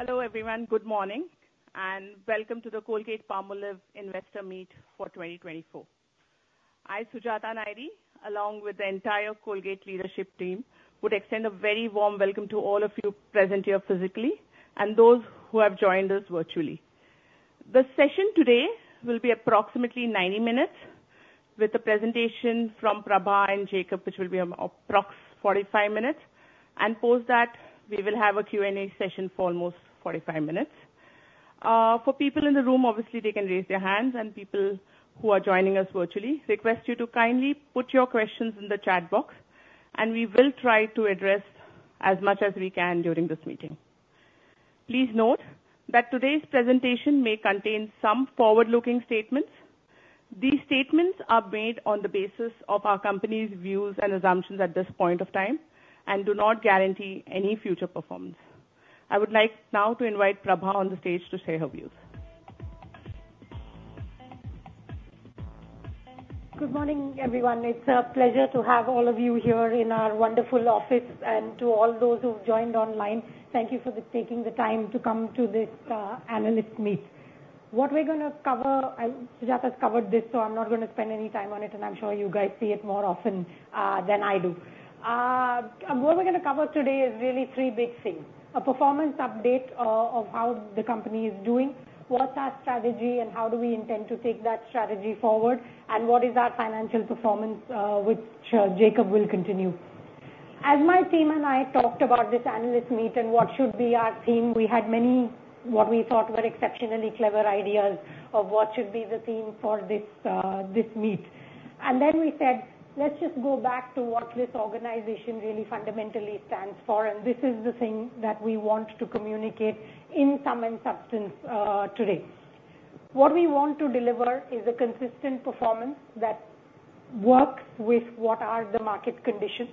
Hello everyone, good morning, and welcome to the Colgate-Palmolive Investor Meet for 2024. I, Sujata Nair, along with the entire Colgate leadership team, would extend a very warm welcome to all of you present here physically and those who have joined us virtually. The session today will be approximately 90 minutes, with the presentation from Prabha and Jacob, which will be approximately 45 minutes, and post that, we will have a Q&A session for almost 45 minutes. For people in the room, obviously, they can raise their hands, and people who are joining us virtually request you to kindly put your questions in the chat box, and we will try to address as much as we can during this meeting. Please note that today's presentation may contain some forward-looking statements. These statements are made on the basis of our company's views and assumptions at this point of time and do not guarantee any future performance. I would like now to invite Prabha on the stage to share her views. Good morning, everyone. It's a pleasure to have all of you here in our wonderful office, and to all those who've joined online, thank you for taking the time to come to this analyst meet. What we're going to cover, Sujata's covered this, so I'm not going to spend any time on it, and I'm sure you guys see it more often than I do. What we're going to cover today is really three big things: a performance update of how the company is doing, what's our strategy, and how do we intend to take that strategy forward, and what is our financial performance, which Jacob will continue. As my team and I talked about this analyst meet and what should be our theme, we had many what we thought were exceptionally clever ideas of what should be the theme for this meet. And then we said, let's just go back to what this organization really fundamentally stands for, and this is the thing that we want to communicate in some instances today. What we want to deliver is a consistent performance that works with what are the market conditions.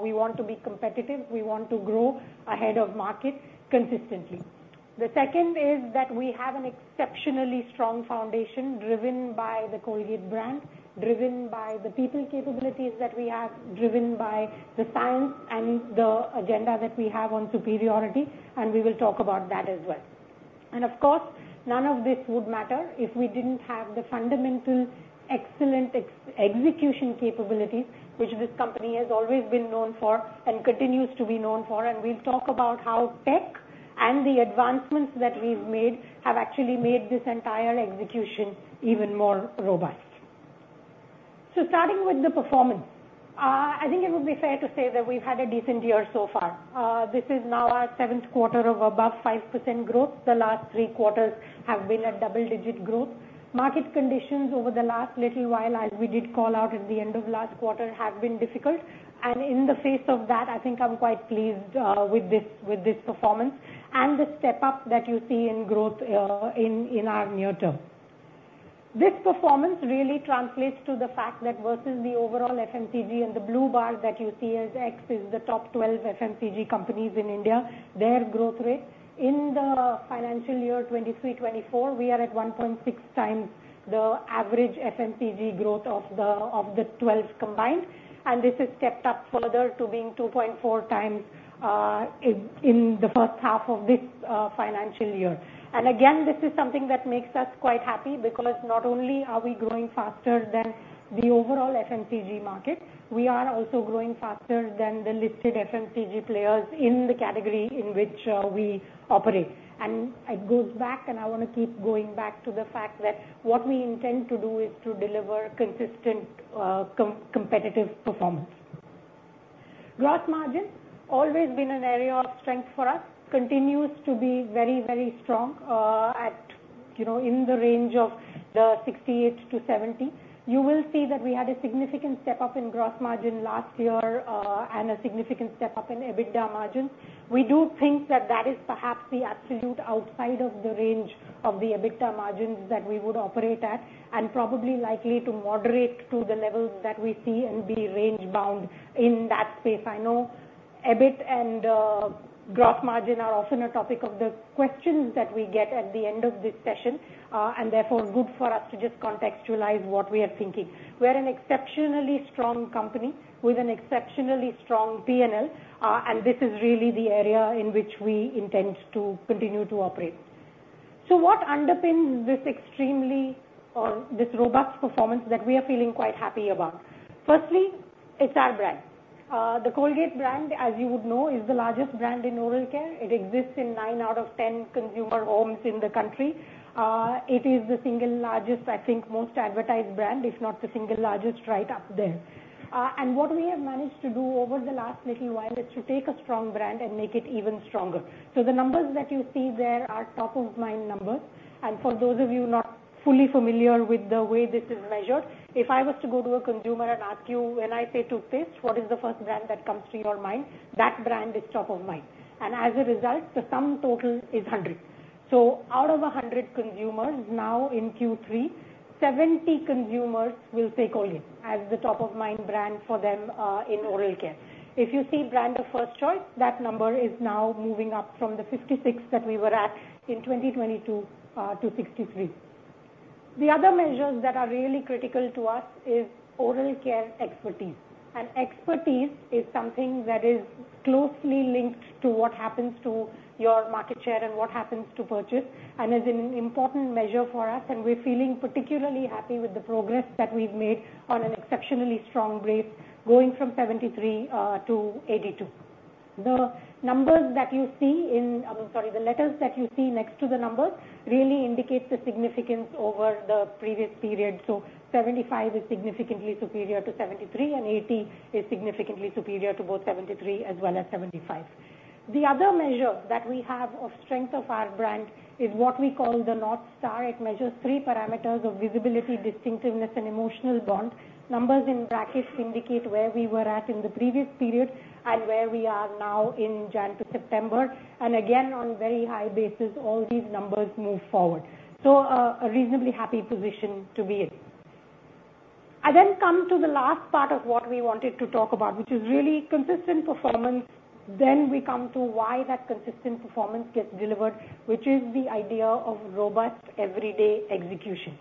We want to be competitive. We want to grow ahead of the market consistently. The second is that we have an exceptionally strong foundation driven by the Colgate brand, driven by the people capabilities that we have, driven by the science and the agenda that we have on superiority, and we will talk about that as well. And of course, none of this would matter if we didn't have the fundamental excellent execution capabilities, which this company has always been known for and continues to be known for. We'll talk about how tech and the advancements that we've made have actually made this entire execution even more robust. Starting with the performance, I think it would be fair to say that we've had a decent year so far. This is now our seventh quarter of above 5% growth. The last three quarters have been a double-digit growth. Market conditions over the last little while, as we did call out at the end of last quarter, have been difficult. In the face of that, I think I'm quite pleased with this performance and the step-up that you see in growth in our near term. This performance really translates to the fact that versus the overall FMCG, and the blue bar that you see, X-axis is the top 12 FMCG companies in India, their growth rate. In the financial year 2023-24, we are at 1.6 times the average FMCG growth of the 12 combined, and this has stepped up further to being 2.4x in the first half of this financial year. And again, this is something that makes us quite happy because not only are we growing faster than the overall FMCG market, we are also growing faster than the listed FMCG players in the category in which we operate. And it goes back, and I want to keep going back to the fact that what we intend to do is to deliver consistent competitive performance. Gross margin has always been an area of strength for us, continues to be very, very strong in the range of the 68-70. You will see that we had a significant step-up in gross margin last year and a significant step-up in EBITDA margins. We do think that that is perhaps the absolute outside of the range of the EBITDA margins that we would operate at and probably likely to moderate to the levels that we see and be range-bound in that space. I know EBIT and gross margin are often a topic of the questions that we get at the end of this session, and therefore good for us to just contextualize what we are thinking. We're an exceptionally strong company with an exceptionally strong P&L, and this is really the area in which we intend to continue to operate. So what underpins this robust performance that we are feeling quite happy about? Firstly, it's our brand. The Colgate brand, as you would know, is the largest brand in oral care. It exists in nine out of 10 consumer homes in the country. It is the single largest, I think, most advertised brand, if not the single largest right up there. And what we have managed to do over the last little while is to take a strong brand and make it even stronger. So the numbers that you see there are top-of-mind numbers. And for those of you not fully familiar with the way this is measured, if I was to go to a consumer and ask you, when I say toothpaste, what is the first brand that comes to your mind? That brand is top of mind. And as a result, the sum total is 100. So out of 100 consumers now in Q3, 70 consumers will say Colgate as the top-of-mind brand for them in oral care. If you see brand of first choice, that number is now moving up from the 56 that we were at in 2022 to 63. The other measures that are really critical to us is oral care expertise. And expertise is something that is closely linked to what happens to your market share and what happens to purchase, and is an important measure for us. And we're feeling particularly happy with the progress that we've made on an exceptionally strong brand going from 73 to 82. The numbers that you see in, I'm sorry, the letters that you see next to the numbers really indicate the significance over the previous period. So 75 is significantly superior to 73, and 80 is significantly superior to both 73 as well as 75. The other measure that we have of strength of our brand is what we call the North Star. It measures three parameters of visibility, distinctiveness, and emotional bond. Numbers in brackets indicate where we were at in the previous period and where we are now in January to September. And again, on a very high basis, all these numbers move forward. So a reasonably happy position to be in. I then come to the last part of what we wanted to talk about, which is really consistent performance. Then we come to why that consistent performance gets delivered, which is the idea of robust everyday execution.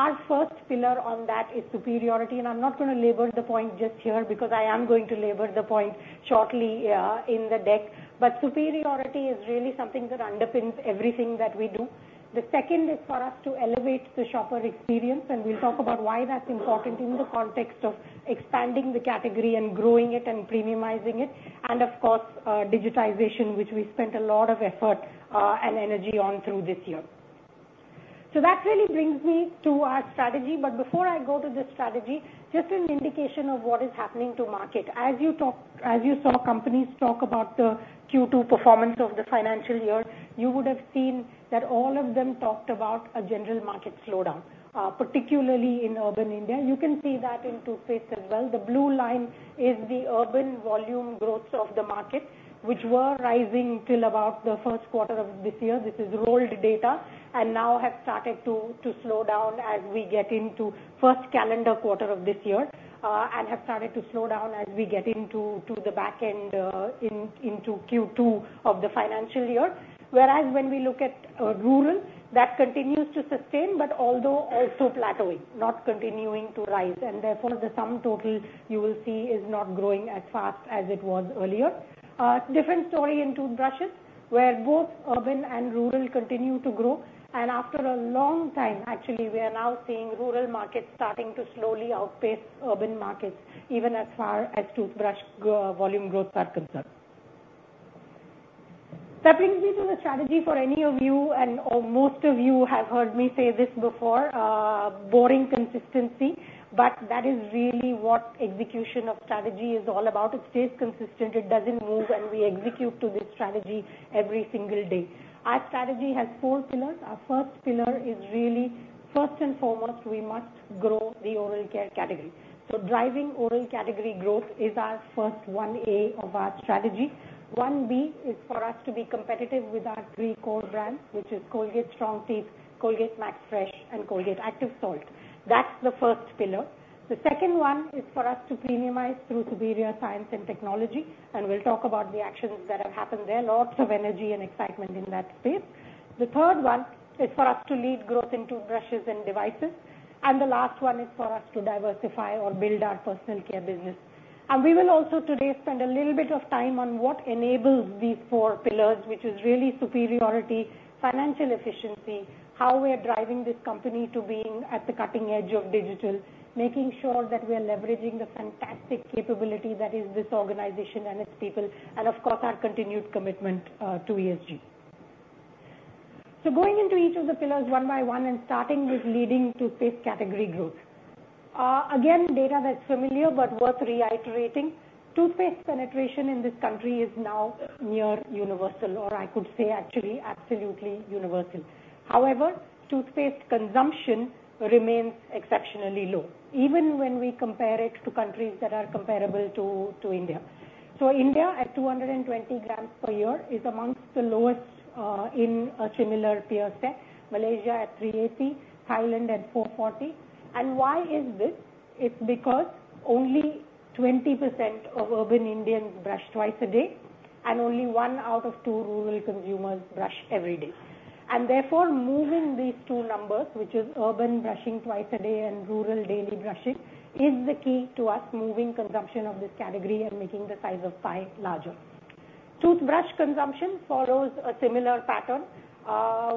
Our first pillar on that is superiority. And I'm not going to labor the point just here because I am going to labor the point shortly in the deck. But superiority is really something that underpins everything that we do. The second is for us to elevate the shopper experience, and we'll talk about why that's important in the context of expanding the category and growing it and premiumizing it, and of course, digitization, which we spent a lot of effort and energy on through this year. So that really brings me to our strategy. But before I go to the strategy, just an indication of what is happening to market. As you saw companies talk about the Q2 performance of the financial year, you would have seen that all of them talked about a general market slowdown, particularly in urban India. You can see that in toothpaste as well. The blue line is the urban volume growth of the market, which were rising till about the first quarter of this year. This is rolled data and now have started to slow down as we get into the first calendar quarter of this year and as we get into the back end into Q2 of the financial year. Whereas when we look at rural, that continues to sustain, but although also plateauing, not continuing to rise. Therefore, the sum total you will see is not growing as fast as it was earlier. Different story in toothbrushes, where both urban and rural continue to grow. After a long time, actually, we are now seeing rural markets starting to slowly outpace urban markets, even as far as toothbrush volume growth are concerned. That brings me to the strategy for any of you, and most of you have heard me say this before, boring consistency, but that is really what execution of strategy is all about. It stays consistent. It doesn't move, and we execute to this strategy every single day. Our strategy has four pillars. Our first pillar is really, first and foremost, we must grow the oral care category. So driving oral category growth is our first 1A of our strategy. 1B is for us to be competitive with our three core brands, which are Colgate Strong Teeth, Colgate MaxFresh, and Colgate Active Salt. That's the first pillar. The second one is for us to premiumize through superior science and technology, and we'll talk about the actions that have happened there. Lots of energy and excitement in that space. The third one is for us to lead growth in toothbrushes and devices. And the last one is for us to diversify or build our Personal Care business. We will also today spend a little bit of time on what enables these four pillars, which is really superiority, financial efficiency, how we're driving this company to being at the cutting edge of digital, making sure that we are leveraging the fantastic capability that is this organization and its people, and of course, our continued commitment to ESG. Going into each of the pillars one by one and starting with leading toothpaste category growth. Again, data that's familiar but worth reiterating. Toothpaste penetration in this country is now near universal, or I could say actually absolutely universal. However, toothpaste consumption remains exceptionally low, even when we compare it to countries that are comparable to India. So India at 220 grams per year is amongst the lowest in a similar peer set. Malaysia at 380, Thailand at 440. Why is this? It's because only 20% of urban Indians brush twice a day, and only one out of two rural consumers brush every day, and therefore, moving these two numbers, which is urban brushing twice a day and rural daily brushing, is the key to us moving consumption of this category and making the size of the pie larger. Toothbrush consumption follows a similar pattern.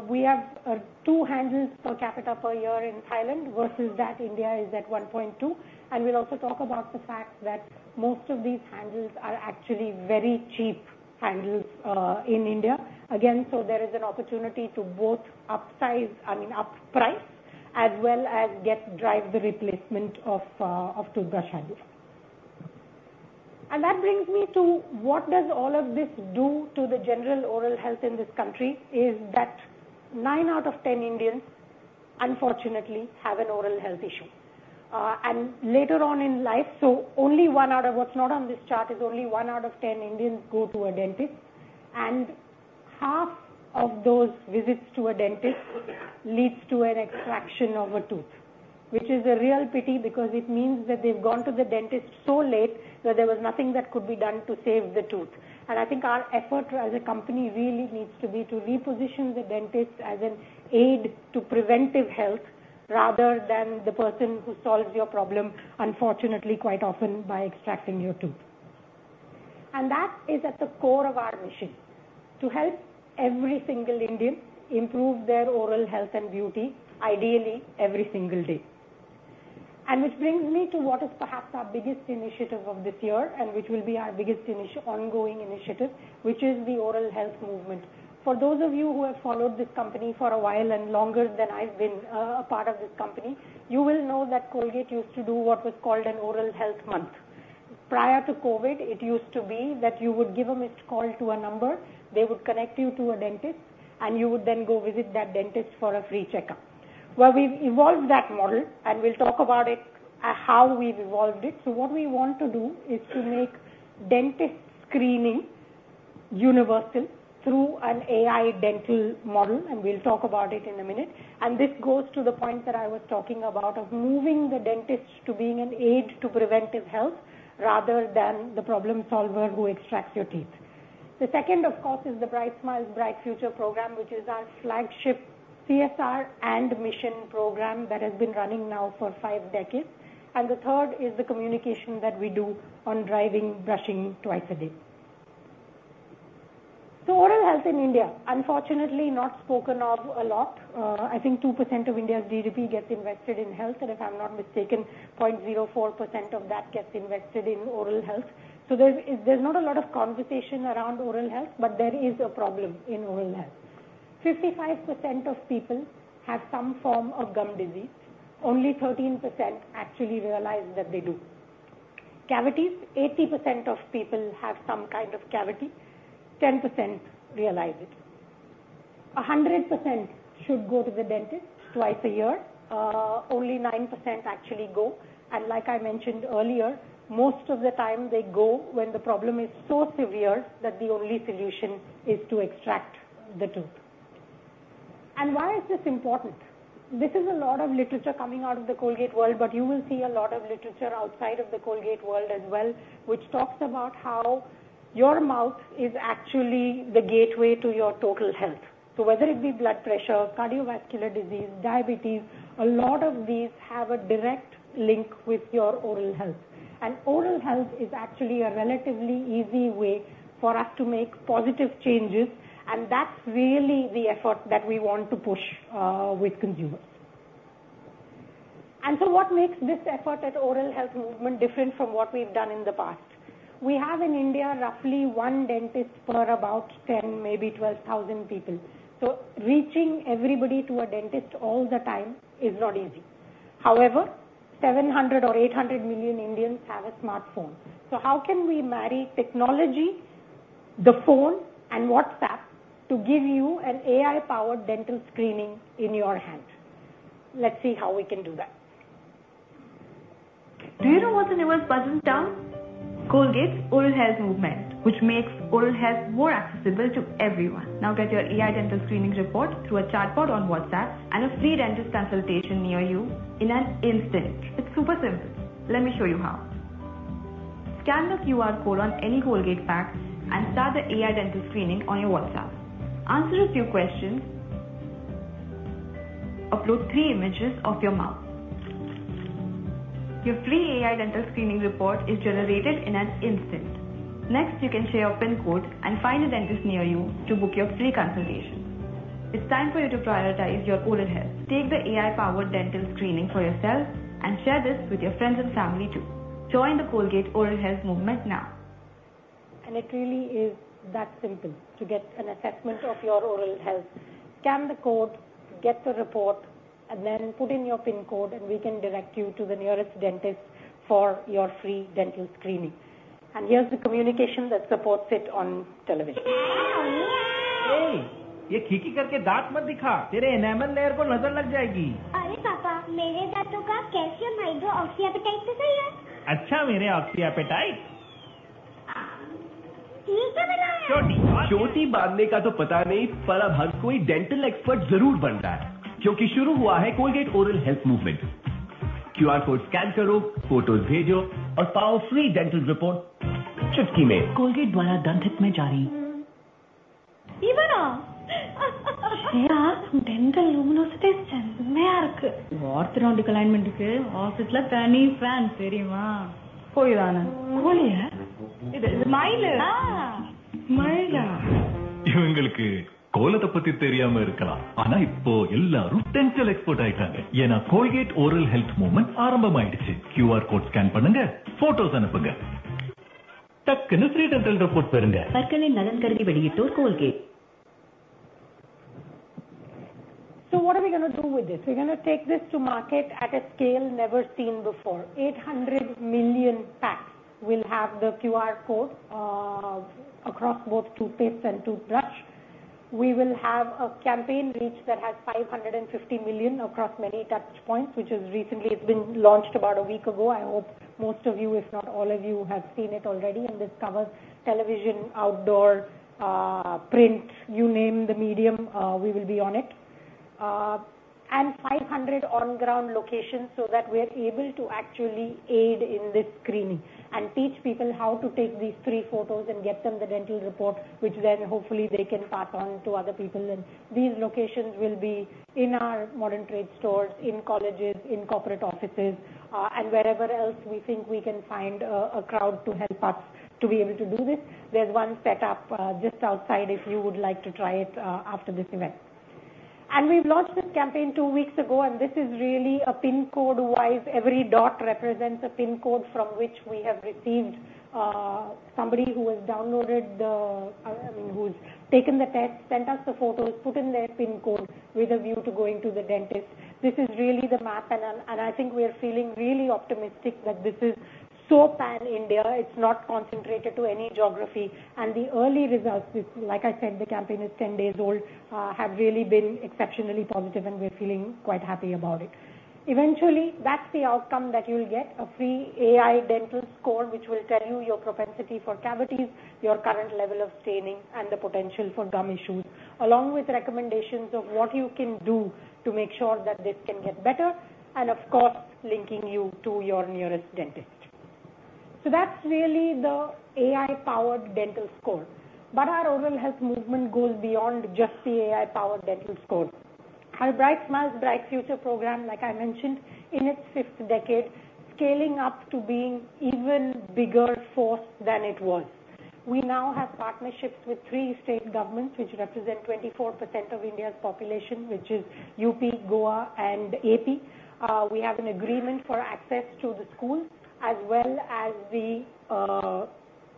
We have two handles per capita per year in Thailand versus that India is at 1.2, and we'll also talk about the fact that most of these handles are actually very cheap handles in India. Again, so there is an opportunity to both upsize, I mean, up price, as well as drive the replacement of toothbrush handles. That brings me to what does all of this do to the general oral health in this country is that nine out of 10 Indians, unfortunately, have an oral health issue. Later on in life, so only one out of what's not on this chart is only one out of 10 Indians go to a dentist. Half of those visits to a dentist leads to an extraction of a tooth, which is a real pity because it means that they've gone to the dentist so late that there was nothing that could be done to save the tooth. I think our effort as a company really needs to be to reposition the dentist as an aid to preventive health rather than the person who solves your problem, unfortunately, quite often by extracting your tooth. That is at the core of our mission to help every single Indian improve their oral health and beauty, ideally every single day. Which brings me to what is perhaps our biggest initiative of this year and which will be our biggest ongoing initiative, which is the Oral Health Movement. For those of you who have followed this company for a while and longer than I've been a part of this company, you will know that Colgate used to do what was called an Oral Health Month. Prior to COVID, it used to be that you would give a missed call to a number, they would connect you to a dentist, and you would then go visit that dentist for a free checkup. We've evolved that model, and we'll talk about how we've evolved it. What we want to do is to make dental screening universal through an AI dental model, and we'll talk about it in a minute. This goes to the point that I was talking about of moving the dentist to being an aid to preventive health rather than the problem solver who extracts your teeth. The second, of course, is the Bright Smiles, Bright Futures program, which is our flagship CSR and mission program that has been running now for five decades. The third is the communication that we do on driving brushing twice a day. Oral health in India, unfortunately, not spoken of a lot. I think 2% of India's GDP gets invested in health, and if I'm not mistaken, 0.04% of that gets invested in oral health. There's not a lot of conversation around oral health, but there is a problem in oral health. 55% of people have some form of gum disease. Only 13% actually realize that they do. Cavities, 80% of people have some kind of cavity. 10% realize it. 100% should go to the dentist twice a year. Only 9% actually go. And like I mentioned earlier, most of the time they go when the problem is so severe that the only solution is to extract the tooth. And why is this important? This is a lot of literature coming out of the Colgate world, but you will see a lot of literature outside of the Colgate world as well, which talks about how your mouth is actually the gateway to your total health. So whether it be blood pressure, cardiovascular disease, diabetes, a lot of these have a direct link with your oral health. Oral health is actually a relatively easy way for us to make positive changes, and that's really the effort that we want to push with consumers. What makes this effort at Oral Health Movement different from what we've done in the past? We have in India roughly one dentist per about 10, maybe 12,000 people. Reaching everybody to a dentist all the time is not easy. However, 700 or 800 million Indians have a smartphone. How can we marry technology, the phone, and WhatsApp to give you an AI-powered dental screening in your hand? Let's see how we can do that. Do you know what's the newest buzzing talk? Colgate's Oral Health Movement, which makes oral health more accessible to everyone. Now get your AI dental screening report through a chatbot on WhatsApp and a free dentist consultation near you in an instant. It's super simple. Let me show you how. Scan the QR code on any Colgate pack and start the AI dental screening on your WhatsApp. Answer a few questions. Upload three images of your mouth. Your free AI dental screening report is generated in an instant. Next, you can share your PIN code and find a dentist near you to book your free consultation. It's time for you to prioritize your oral health. Take the AI-powered dental screening for yourself and share this with your friends and family too. Join the Colgate Oral Health Movement now. And it really is that simple to get an assessment of your oral health. Scan the code, get the report, and then put in your PIN code, and we can direct you to the nearest dentist for your free dental screening. And here's the communication that supports it on television. हे, ये खींची करके दांत मत दिखा, तेरे enamel layer को नजर लग जाएगी। अरे पापा, मेरे दांतों का कैसे हमारी जो ऑक्सी एपेटाइट तो सही है। अच्छा, मेरे ऑक्सी एपेटाइट। ये क्या बनाया? छोटी छोटी बांधने का तो पता नहीं, पर अब हर कोई डेंटल एक्सपर्ट जरूर बन रहा है क्योंकि शुरू हुआ है Colgate oral health movement. QR code scan करो, फोटोज भेजो और पावरफुली डेंटल रिपोर्ट चुटकी में। कोलगेट द्वारा दंत हित में जारी। இவனா டென்டல் லூமினோசிட்டிஸ் செம்மையா இருக்கு. ஒர்த் ரவுண்டுக்கு அலைன்மென்ட் இருக்கு. ஆபீஸ்ல தனி ஃபேன் தெரியுமா? போயிரானேன். கோழியா? இது மயிலு மயிலா? இவங்களுக்கு கோலத்தை பத்தி தெரியாம இருக்கலாம், ஆனா இப்போ எல்லாரும் டென்டல் எக்ஸ்போர்ட் ஆயிட்டாங்க. ஏன்னா கோல்கேட் ஓரல் ஹெல்த் மூவ்மென்ட் ஆரம்பமாயிடுச்சு. க்யூஆர் கோட் ஸ்கேன் பண்ணுங்க, போட்டோஸ் அனுப்புங்க, டக்குனு ஃப்ரீ டென்டல் ரிப்போர்ட் பெறுங்க. தற்கனி நலன் கருதி வெளியிட்டோர் Colgate. So what are we going to do with this? We're going to take this to market at a scale never seen before. 800 million packs will have the QR code across both toothpaste and toothbrush. We will have a campaign reach that has 550 million across many touch points, which has recently been launched about a week ago. I hope most of you, if not all of you, have seen it already, and this covers television, outdoor, print, you name the medium, we will be on it, and 500 on-ground locations so that we're able to actually aid in this screening and teach people how to take these three photos and get them the dental report, which then hopefully they can pass on to other people. These locations will be in our modern trade stores, in colleges, in corporate offices, and wherever else we think we can find a crowd to help us to be able to do this. There's one set up just outside if you would like to try it after this event. We've launched this campaign two weeks ago, and this is really a PIN code-wise. Every dot represents a PIN code from which we have received somebody who has downloaded the, I mean, who's taken the test, sent us the photos, put in their PIN code with a view to going to the dentist. This is really the map, and I think we are feeling really optimistic that this is so Pan India. It's not concentrated to any geography, and the early results, like I said, the campaign is 10 days old, have really been exceptionally positive, and we're feeling quite happy about it. Eventually, that's the outcome that you'll get: a free AI dental score which will tell you your propensity for cavities, your current level of staining, and the potential for gum issues, along with recommendations of what you can do to make sure that this can get better, and of course, linking you to your nearest dentist. So that's really the AI-powered dental score, but our Oral Health Movement goes beyond just the AI-powered dental score. Our Bright Smiles, Bright Futures program, like I mentioned, in its fifth decade, scaling up to being even bigger force than it was. We now have partnerships with three state governments which represent 24% of India's population, which is UP, Goa, and AP. We have an agreement for access to the schools as well as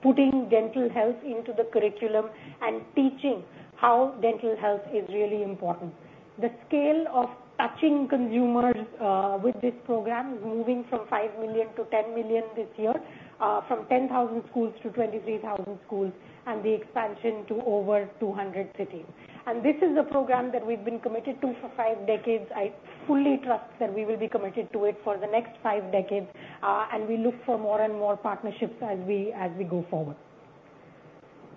putting dental health into the curriculum and teaching how dental health is really important. The scale of touching consumers with this program is moving from 5 million to 10 million this year, from 10,000 schools to 23,000 schools, and the expansion to over 200 cities. And this is a program that we've been committed to for five decades. I fully trust that we will be committed to it for the next five decades, and we look for more and more partnerships as we go forward.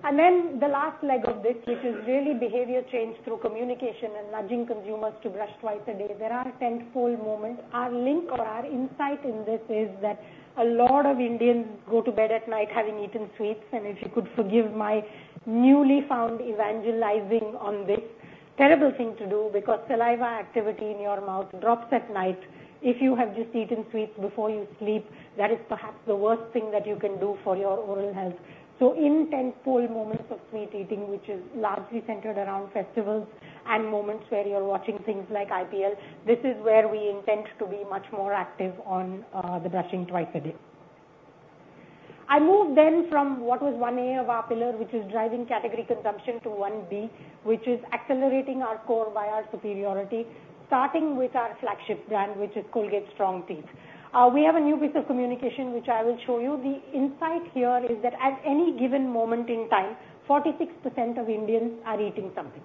And then the last leg of this, which is really behavior change through communication and nudging consumers to brush twice a day, there are tentpole moments. Our link or our insight in this is that a lot of Indians go to bed at night having eaten sweets, and if you could forgive my newly found evangelizing on this, terrible thing to do because saliva activity in your mouth drops at night. If you have just eaten sweets before you sleep, that is perhaps the worst thing that you can do for your oral health. So in tenfold moments of sweet eating, which is largely centered around festivals and moments where you're watching things like IPL, this is where we intend to be much more active on the brushing twice a day. I move then from what was 1A of our pillar, which is driving category consumption, to 1B, which is accelerating our core via our superiority, starting with our flagship brand, which is Colgate Strong Teeth. We have a new piece of communication which I will show you. The insight here is that at any given moment in time, 46% of Indians are eating something.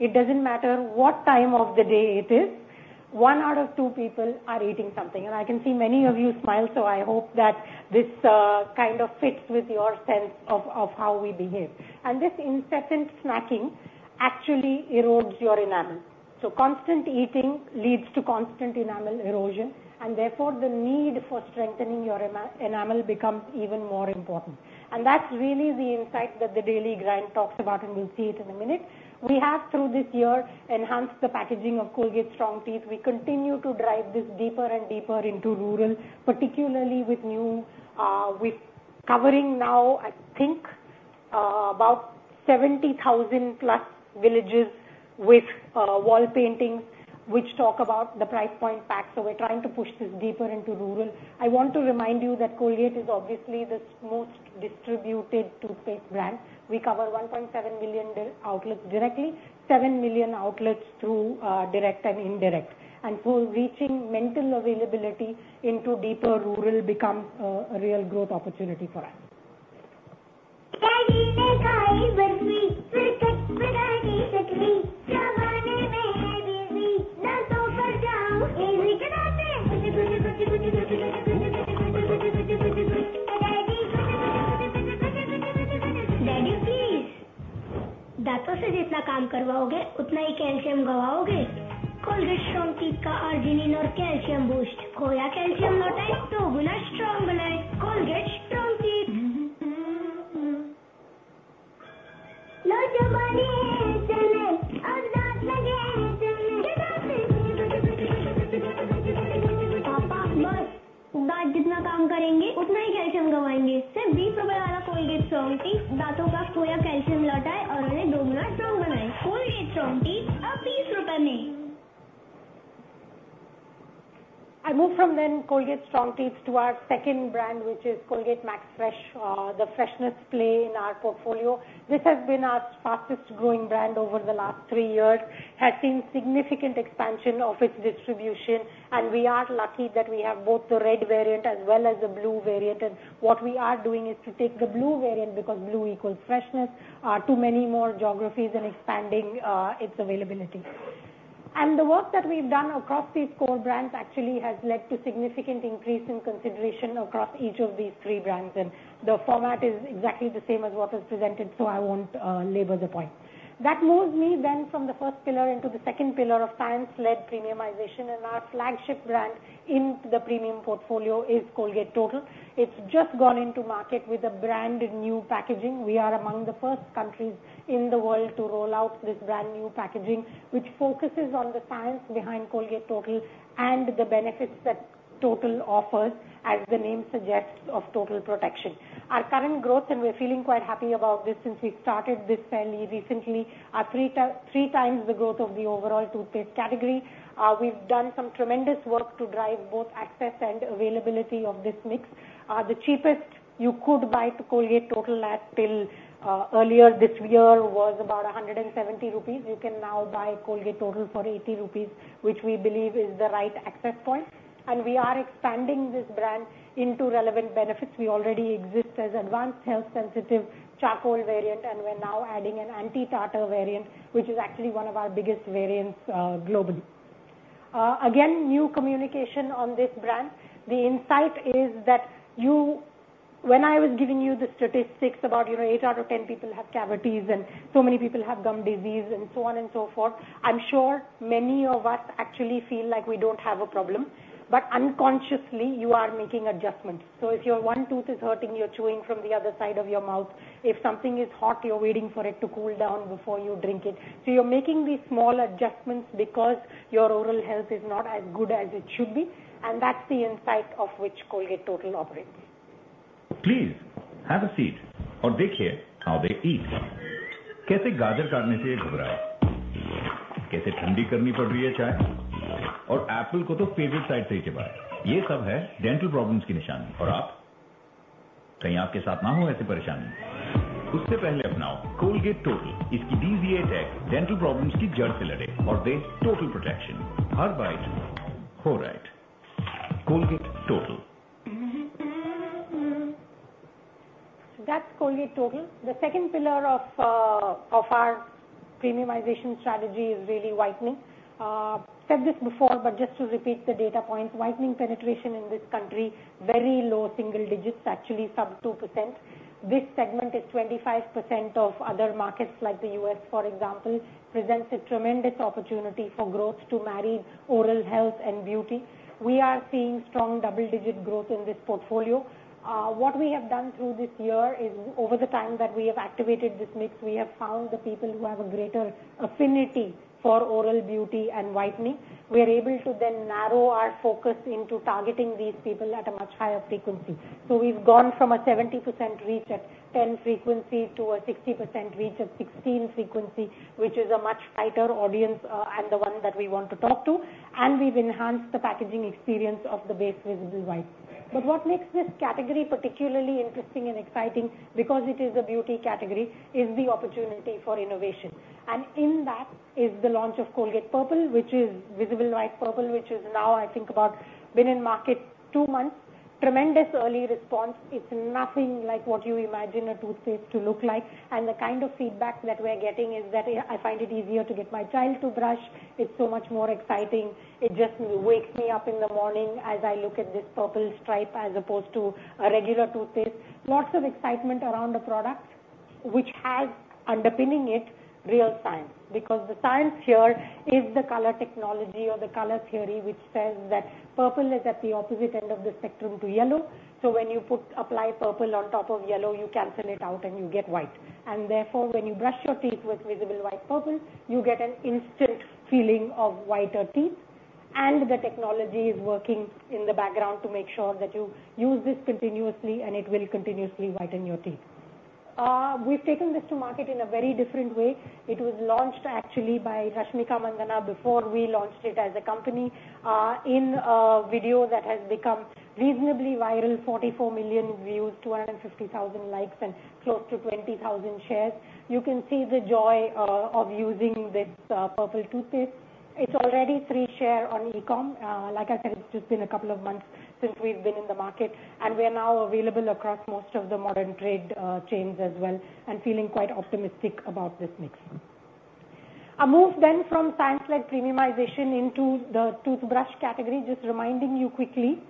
It doesn't matter what time of the day it is, one out of two people are eating something, and I can see many of you smile, so I hope that this kind of fits with your sense of how we behave, and this incessant snacking actually erodes your enamel. So constant eating leads to constant enamel erosion, and therefore the need for strengthening your enamel becomes even more important, and that's really the insight that the Daily Grind talks about, and we'll see it in a minute. We have, through this year, enhanced the packaging of Colgate Strong Teeth. We continue to drive this deeper and deeper into rural, particularly with new coverage now, I think, about 70,000 plus villages with wall paintings which talk about the price point packs, so we're trying to push this deeper into rural. I want to remind you that Colgate is obviously the most distributed toothpaste brand. We cover 1.7 million outlets directly, 7 million outlets through direct and indirect, and so reaching mental availability into deeper rural becomes a real growth opportunity for us. kaha, "Ae Barfi, phir chat-patakhe kat gayi, zamane mein hai busy, na so kar jaaun, ae Rita daate." Daddy, please, daanton se jitna kaam karvaoge, utna hi calcium gavaoge. Colgate Strong Teeth ka Arginine aur Calcium Boost, khoya calcium laataaye, doguna strong banaaye. Colgate Strong Teeth. Naujwaanon chale, ab daant lage chale, ye daate. Papa, bas, daant jitna kaam karenge, utna hi calcium gavaayenge. Sirf Rupees 20 waala Colgate Strong Teeth, daanton ka khoya calcium laataaye aur unhe doguna strong banaaye. Colgate Strong Teeth, ab Rupees 20 mein. I move from the Colgate Strong Teeth to our second brand, which is Colgate MaxFresh, the freshness play in our portfolio. This has been our fastest growing brand over the last three years, has seen significant expansion of its distribution, and we are lucky that we have both the red variant as well as the blue variant. And what we are doing is to take the blue variant because blue equals freshness to many more geographies and expanding its availability. And the work that we've done across these core brands actually has led to significant increase in consideration across each of these three brands, and the format is exactly the same as what was presented, so I won't labor the point. That moves me then from the first pillar into the second pillar of science-led premiumization, and our flagship brand in the premium portfolio is Colgate Total. It's just gone into market with a brand new packaging. We are among the first countries in the world to roll out this brand new packaging, which focuses on the science behind Colgate Total and the benefits that Total offers, as the name suggests, of Total Protection. Our current growth, and we're feeling quite happy about this since we started this fairly recently, are three times the growth of the overall toothpaste category. We've done some tremendous work to drive both access and availability of this mix. The cheapest you could buy Colgate Total at till earlier this year was about 170 rupees. You can now buy Colgate Total for 80 rupees, which we believe is the right access point, and we are expanding this brand into relevant benefits. We already exist as Advanced Health Sensitive Charcoal variant, and we're now adding an Anti-Tartar variant, which is actually one of our biggest variants globally. Again, new communication on this brand. The insight is that when I was giving you the statistics about eight out of 10 people have cavities and so many people have gum disease and so on and so forth, I'm sure many of us actually feel like we don't have a problem, but unconsciously you are making adjustments. So if your one tooth is hurting, you're chewing from the other side of your mouth. If something is hot, you're waiting for it to cool down before you drink it. So you're making these small adjustments because your oral health is not as good as it should be, and that's the insight of which Colgate Total operates. Please, have a seat और देखिए how they eat. कैसे गाजर काटने से ये घबराए? कैसे ठंडी करनी पड़ रही है चाय? और एप्पल को तो favorite side से ही चबाए। ये सब है dental problems की निशानी, और आप? कहीं आपके साथ ना हो ऐसी परेशानी? उससे पहले अपनाओ Colgate Total, इसकी DZA टेक dental problems की जड़ से लड़े और दे total protection, हर bite हो right. Colgate Total. That's Colgate Total. The second pillar of our premiumization strategy is really whitening. Said this before, but just to repeat the data points, whitening penetration in this country, very low single digits, actually sub 2%. This segment is 25% of other markets like the U.S., for example. [It] presents a tremendous opportunity for growth to marry oral health and beauty. We are seeing strong double-digit growth in this portfolio. What we have done through this year is, over the time that we have activated this mix, we have found the people who have a greater affinity for oral beauty and whitening. We are able to then narrow our focus into targeting these people at a much higher frequency. So we've gone from a 70% reach at 10 frequency to a 60% reach at 16 frequency, which is a much tighter audience and the one that we want to talk to, and we've enhanced the packaging experience of the base Visible White. But what makes this category particularly interesting and exciting, because it is a beauty category, is the opportunity for innovation. And in that is the launch of Colgate Visible White Purple, which is Visible White Purple, which has now, I think, been in market two months. Tremendous early response. It's nothing like what you imagine a toothpaste to look like. And the kind of feedback that we're getting is that I find it easier to get my child to brush. It's so much more exciting. It just wakes me up in the morning as I look at this purple stripe as opposed to a regular toothpaste. Lots of excitement around the product, which has underpinning it, real science, because the science here is the color technology or the color theory, which says that purple is at the opposite end of the spectrum to yellow. So when you apply purple on top of yellow, you cancel it out and you get white. And therefore, when you brush your teeth with visible white purple, you get an instant feeling of whiter teeth. And the technology is working in the background to make sure that you use this continuously, and it will continuously whiten your teeth. We've taken this to market in a very different way. It was launched actually by Rashmika Mandanna before we launched it as a company in a video that has become reasonably viral, 44 million views, 250,000 likes, and close to 20,000 shares. You can see the joy of using this purple toothpaste. It's already three shares on e-comm. Like I said, it's just been a couple of months since we've been in the market, and we are now available across most of the modern trade chains as well and feeling quite optimistic about this mix. I move then from science-led premiumization into the toothbrush category, just reminding you quickly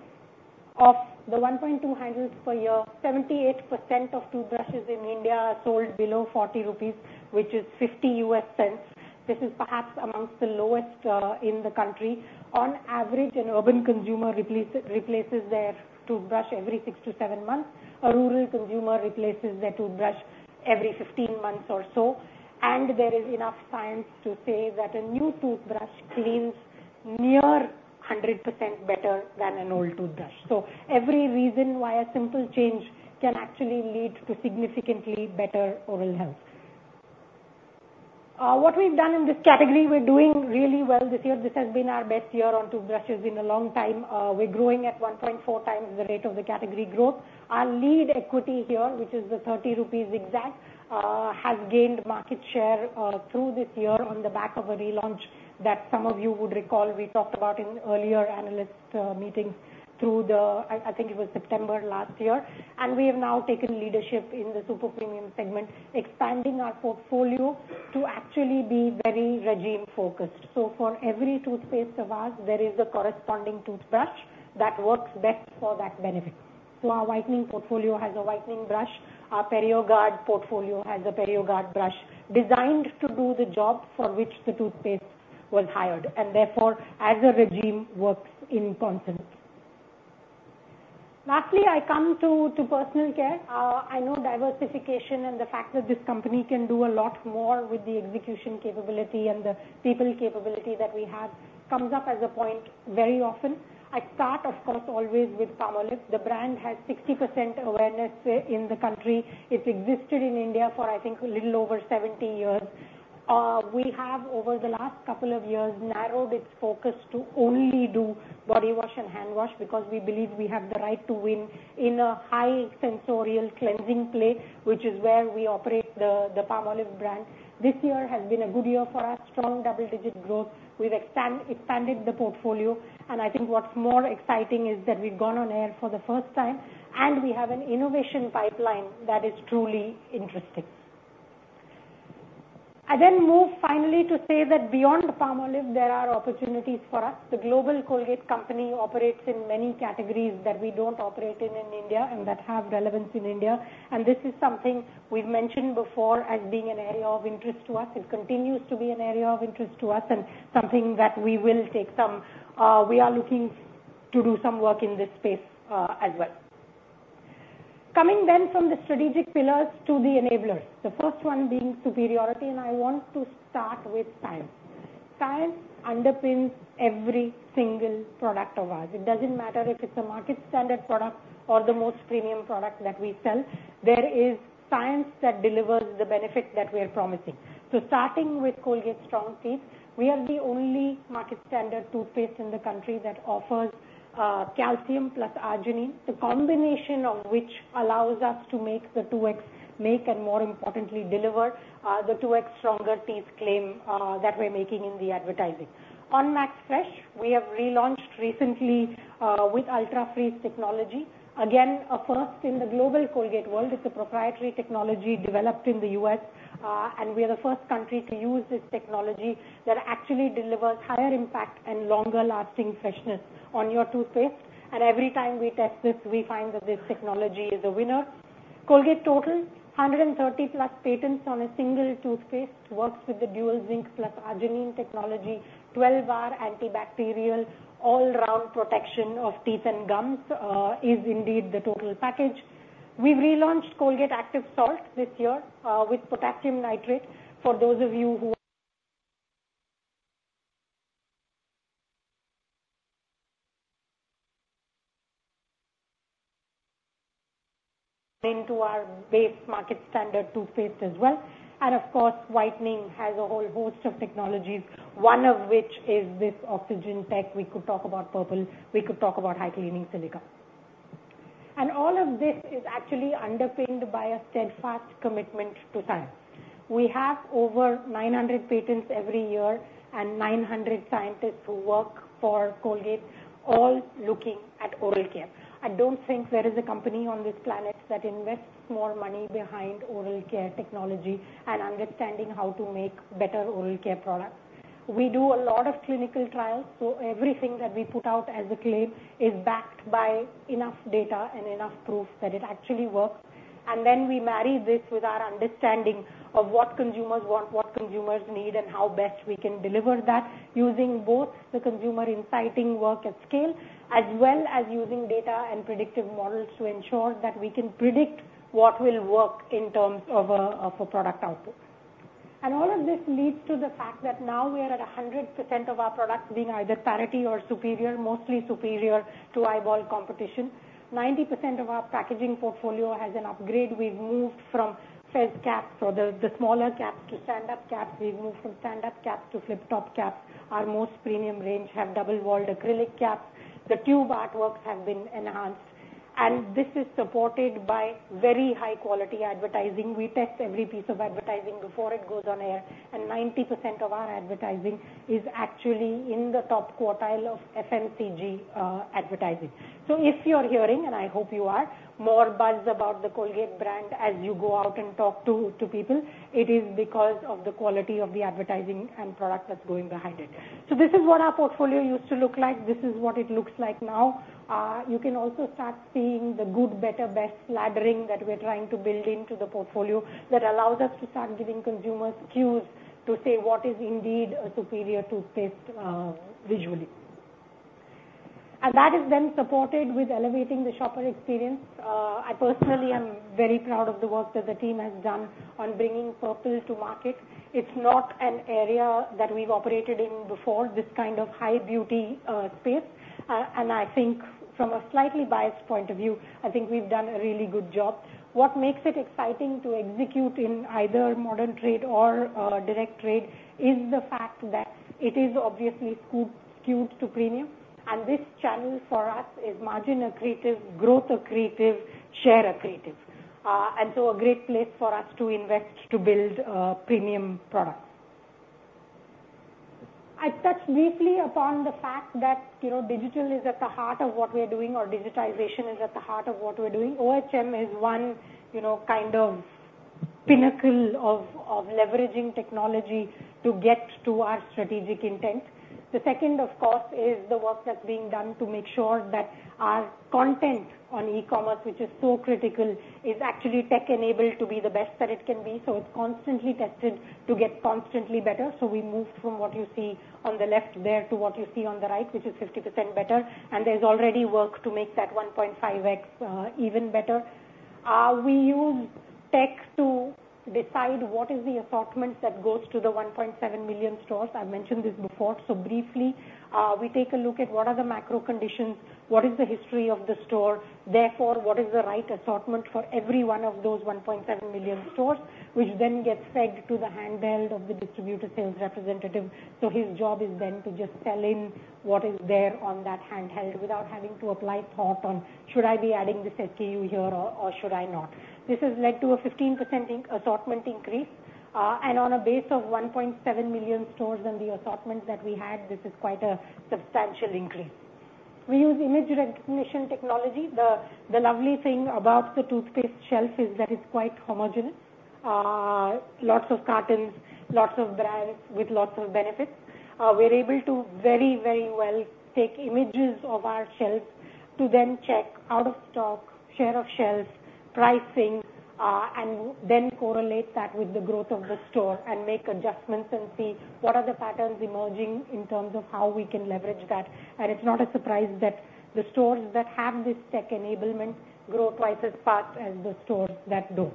of the 1.2 handles per year. 78% of toothbrushes in India are sold below 40 rupees, which is 50 U.S. cents. This is perhaps among the lowest in the country. On average, an urban consumer replaces their toothbrush every six to seven months. A rural consumer replaces their toothbrush every 15 months or so. And there is enough science to say that a new toothbrush cleans near 100% better than an old toothbrush. So every reason why a simple change can actually lead to significantly better oral health. What we've done in this category, we're doing really well this year. This has been our best year on toothbrushes in a long time. We're growing at 1.4x the rate of the category growth. Our lead equity here, which is the 30 rupees ZigZag, has gained market share through this year on the back of a relaunch that some of you would recall we talked about in earlier analyst meetings through the, I think it was September last year. And we have now taken leadership in the super premium segment, expanding our portfolio to actually be very regime-focused. So for every toothpaste of ours, there is a corresponding toothbrush that works best for that benefit. So our whitening portfolio has a whitening brush. Our PerioGard portfolio has a PerioGard brush designed to do the job for which the toothpaste was hired. And therefore, as a regime, works in concert. Lastly, I come to personal care. I know diversification and the fact that this company can do a lot more with the execution capability and the people capability that we have comes up as a point very often. I start, of course, always with Palmolive. The brand has 60% awareness in the country. It's existed in India for, I think, a little over 70 years. We have, over the last couple of years, narrowed its focus to only do body wash and hand wash because we believe we have the right to win in a high sensorial cleansing play, which is where we operate the Palmolive brand. This year has been a good year for us, strong double-digit growth. We've expanded the portfolio. And I think what's more exciting is that we've gone on air for the first time, and we have an innovation pipeline that is truly interesting. I then move finally to say that beyond Palmolive, there are opportunities for us. The global Colgate company operates in many categories that we don't operate in in India and that have relevance in India, and this is something we've mentioned before as being an area of interest to us. It continues to be an area of interest to us and something that we will take some. We are looking to do some work in this space as well. Coming then from the strategic pillars to the enablers, the first one being superiority, and I want to start with science. Science underpins every single product of ours. It doesn't matter if it's a market-standard product or the most premium product that we sell. There is science that delivers the benefit that we are promising. Starting with Colgate Strong Teeth, we are the only market-standard toothpaste in the country that offers calcium plus arginine, the combination of which allows us to make the 2X, make and more importantly, deliver the 2X stronger teeth claim that we're making in the advertising. On MaxFresh, we have relaunched recently with Ultrafreeze technology. Again, a first in the global Colgate world. It's a proprietary technology developed in the U.S., and we are the first country to use this technology that actually delivers higher impact and longer-lasting freshness on your toothpaste. Every time we test this, we find that this technology is a winner. Colgate Total, 130+ patents on a single toothpaste, works with the dual zinc plus arginine technology. 12-hour antibacterial all-round protection of teeth and gums is indeed the total package. We've relaunched Colgate Active Salt this year with potassium nitrate. For those of you who are into our base market-standard toothpaste as well, and of course, whitening has a whole host of technologies, one of which is this oxygen tech. We could talk about purple. We could talk about high-cleaning silica, and all of this is actually underpinned by a steadfast commitment to science. We have over 900 patents every year and 900 scientists who work for Colgate, all looking at oral care. I don't think there is a company on this planet that invests more money behind oral care technology and understanding how to make better oral care products. We do a lot of clinical trials, so everything that we put out as a claim is backed by enough data and enough proof that it actually works. And then we marry this with our understanding of what consumers want, what consumers need, and how best we can deliver that using both the consumer inciting work at scale as well as using data and predictive models to ensure that we can predict what will work in terms of a product output. And all of this leads to the fact that now we are at 100% of our products being either parity or superior, mostly superior to rival competition. 90% of our packaging portfolio has an upgrade. We've moved from screw caps or the smaller caps to stand-up caps. We've moved from stand-up caps to flip-top caps. Our most premium range have double-walled acrylic caps. The tube artworks have been enhanced, and this is supported by very high-quality advertising. We test every piece of advertising before it goes on air, and 90% of our advertising is actually in the top quartile of FMCG advertising. So if you're hearing, and I hope you are, more buzz about the Colgate brand as you go out and talk to people, it is because of the quality of the advertising and product that's going behind it. So this is what our portfolio used to look like. This is what it looks like now. You can also start seeing the good, better, best laddering that we're trying to build into the portfolio that allows us to start giving consumers cues to say what is indeed a superior toothpaste visually. And that is then supported with elevating the shopper experience. I personally am very proud of the work that the team has done on bringing purple to market. It's not an area that we've operated in before, this kind of high beauty space, and I think from a slightly biased point of view, I think we've done a really good job. What makes it exciting to execute in either modern trade or direct trade is the fact that it is obviously skewed to premium, and this channel for us is margin accretive, growth accretive, share accretive, and so a great place for us to invest to build premium products. I touched briefly upon the fact that digital is at the heart of what we're doing, or digitization is at the heart of what we're doing. OHM is one kind of pinnacle of leveraging technology to get to our strategic intent. The second, of course, is the work that's being done to make sure that our content on e-commerce, which is so critical, is actually tech-enabled to be the best that it can be, so it's constantly tested to get constantly better, so we moved from what you see on the left there to what you see on the right, which is 50% better, and there's already work to make that 1.5X even better. We use tech to decide what is the assortment that goes to the 1.7 million stores. I've mentioned this before, so briefly, we take a look at what are the macro conditions, what is the history of the store, therefore, what is the right assortment for every one of those 1.7 million stores, which then gets fed to the handheld of the distributor sales representative. His job is then to just sell in what is there on that handheld without having to apply thought on, "Should I be adding this SKU here, or should I not?" This has led to a 15% assortment increase. On a base of 1.7 million stores and the assortment that we had, this is quite a substantial increase. We use image recognition technology. The lovely thing about the toothpaste shelf is that it's quite homogeneous. Lots of cartons, lots of brands with lots of benefits. We're able to very, very well take images of our shelves to then check out of stock, share of shelves, pricing, and then correlate that with the growth of the store and make adjustments and see what are the patterns emerging in terms of how we can leverage that. And it's not a surprise that the stores that have this tech enablement grow twice as fast as the stores that don't.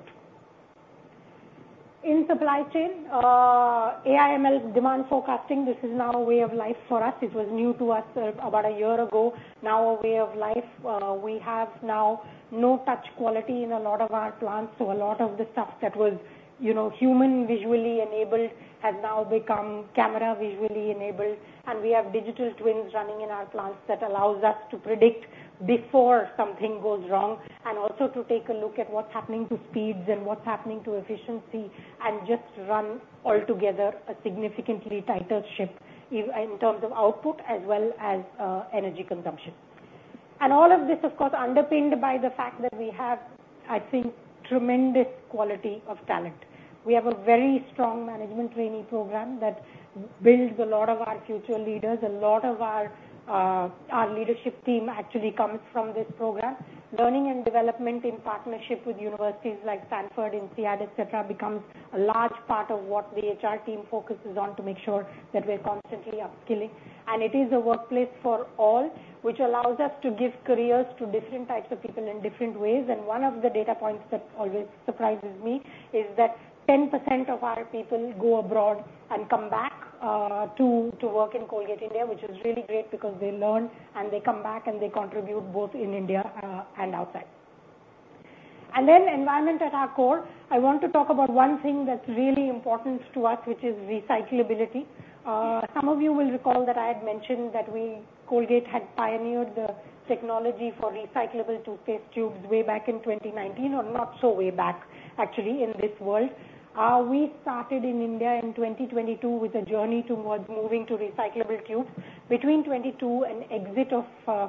In supply chain, AI/ML demand forecasting, this is now a way of life for us. It was new to us about a year ago, now a way of life. We have now no touch quality in a lot of our plants. So a lot of the stuff that was human visually enabled has now become camera visually enabled. And we have digital twins running in our plants that allows us to predict before something goes wrong and also to take a look at what's happening to speeds and what's happening to efficiency and just run altogether a significantly tighter ship in terms of output as well as energy consumption. And all of this, of course, underpinned by the fact that we have, I think, tremendous quality of talent. We have a very strong management training program that builds a lot of our future leaders. A lot of our leadership team actually comes from this program. Learning and development in partnership with universities like Stanford and Seattle, etc., becomes a large part of what the HR team focuses on to make sure that we're constantly upskilling. And it is a workplace for all, which allows us to give careers to different types of people in different ways. And one of the data points that always surprises me is that 10% of our people go abroad and come back to work in Colgate India, which is really great because they learn and they come back and they contribute both in India and outside. And then environment at our core. I want to talk about one thing that's really important to us, which is recyclability. Some of you will recall that I had mentioned that Colgate had pioneered the technology for recyclable toothpaste tubes way back in 2019 or not so way back, actually, in this world. We started in India in 2022 with a journey towards moving to recyclable tubes. Between 2022 and exit of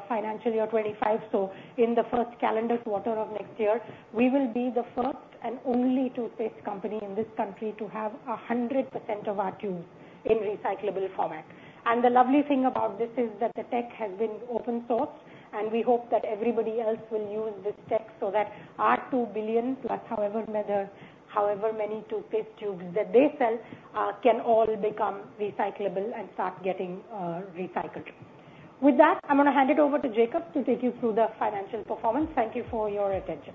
financial year 2025, so in the first calendar quarter of next year, we will be the first and only toothpaste company in this country to have 100% of our tubes in recyclable format, and the lovely thing about this is that the tech has been open sourced, and we hope that everybody else will use this tech so that our 2+ billion, however many toothpaste tubes that they sell can all become recyclable and start getting recycled. With that, I'm going to hand it over to Jacob to take you through the financial performance. Thank you for your attention.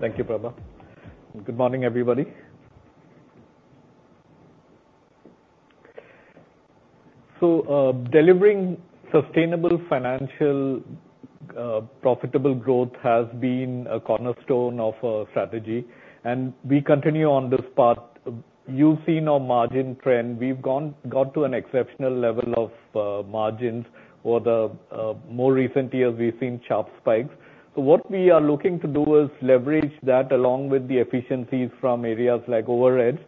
Thank you, Prabha. Good morning, everybody. So delivering sustainable financial profitable growth has been a cornerstone of our strategy, and we continue on this path. You've seen our margin trend. We've got to an exceptional level of margins for the more recent years. We've seen sharp spikes. So what we are looking to do is leverage that along with the efficiencies from areas like overheads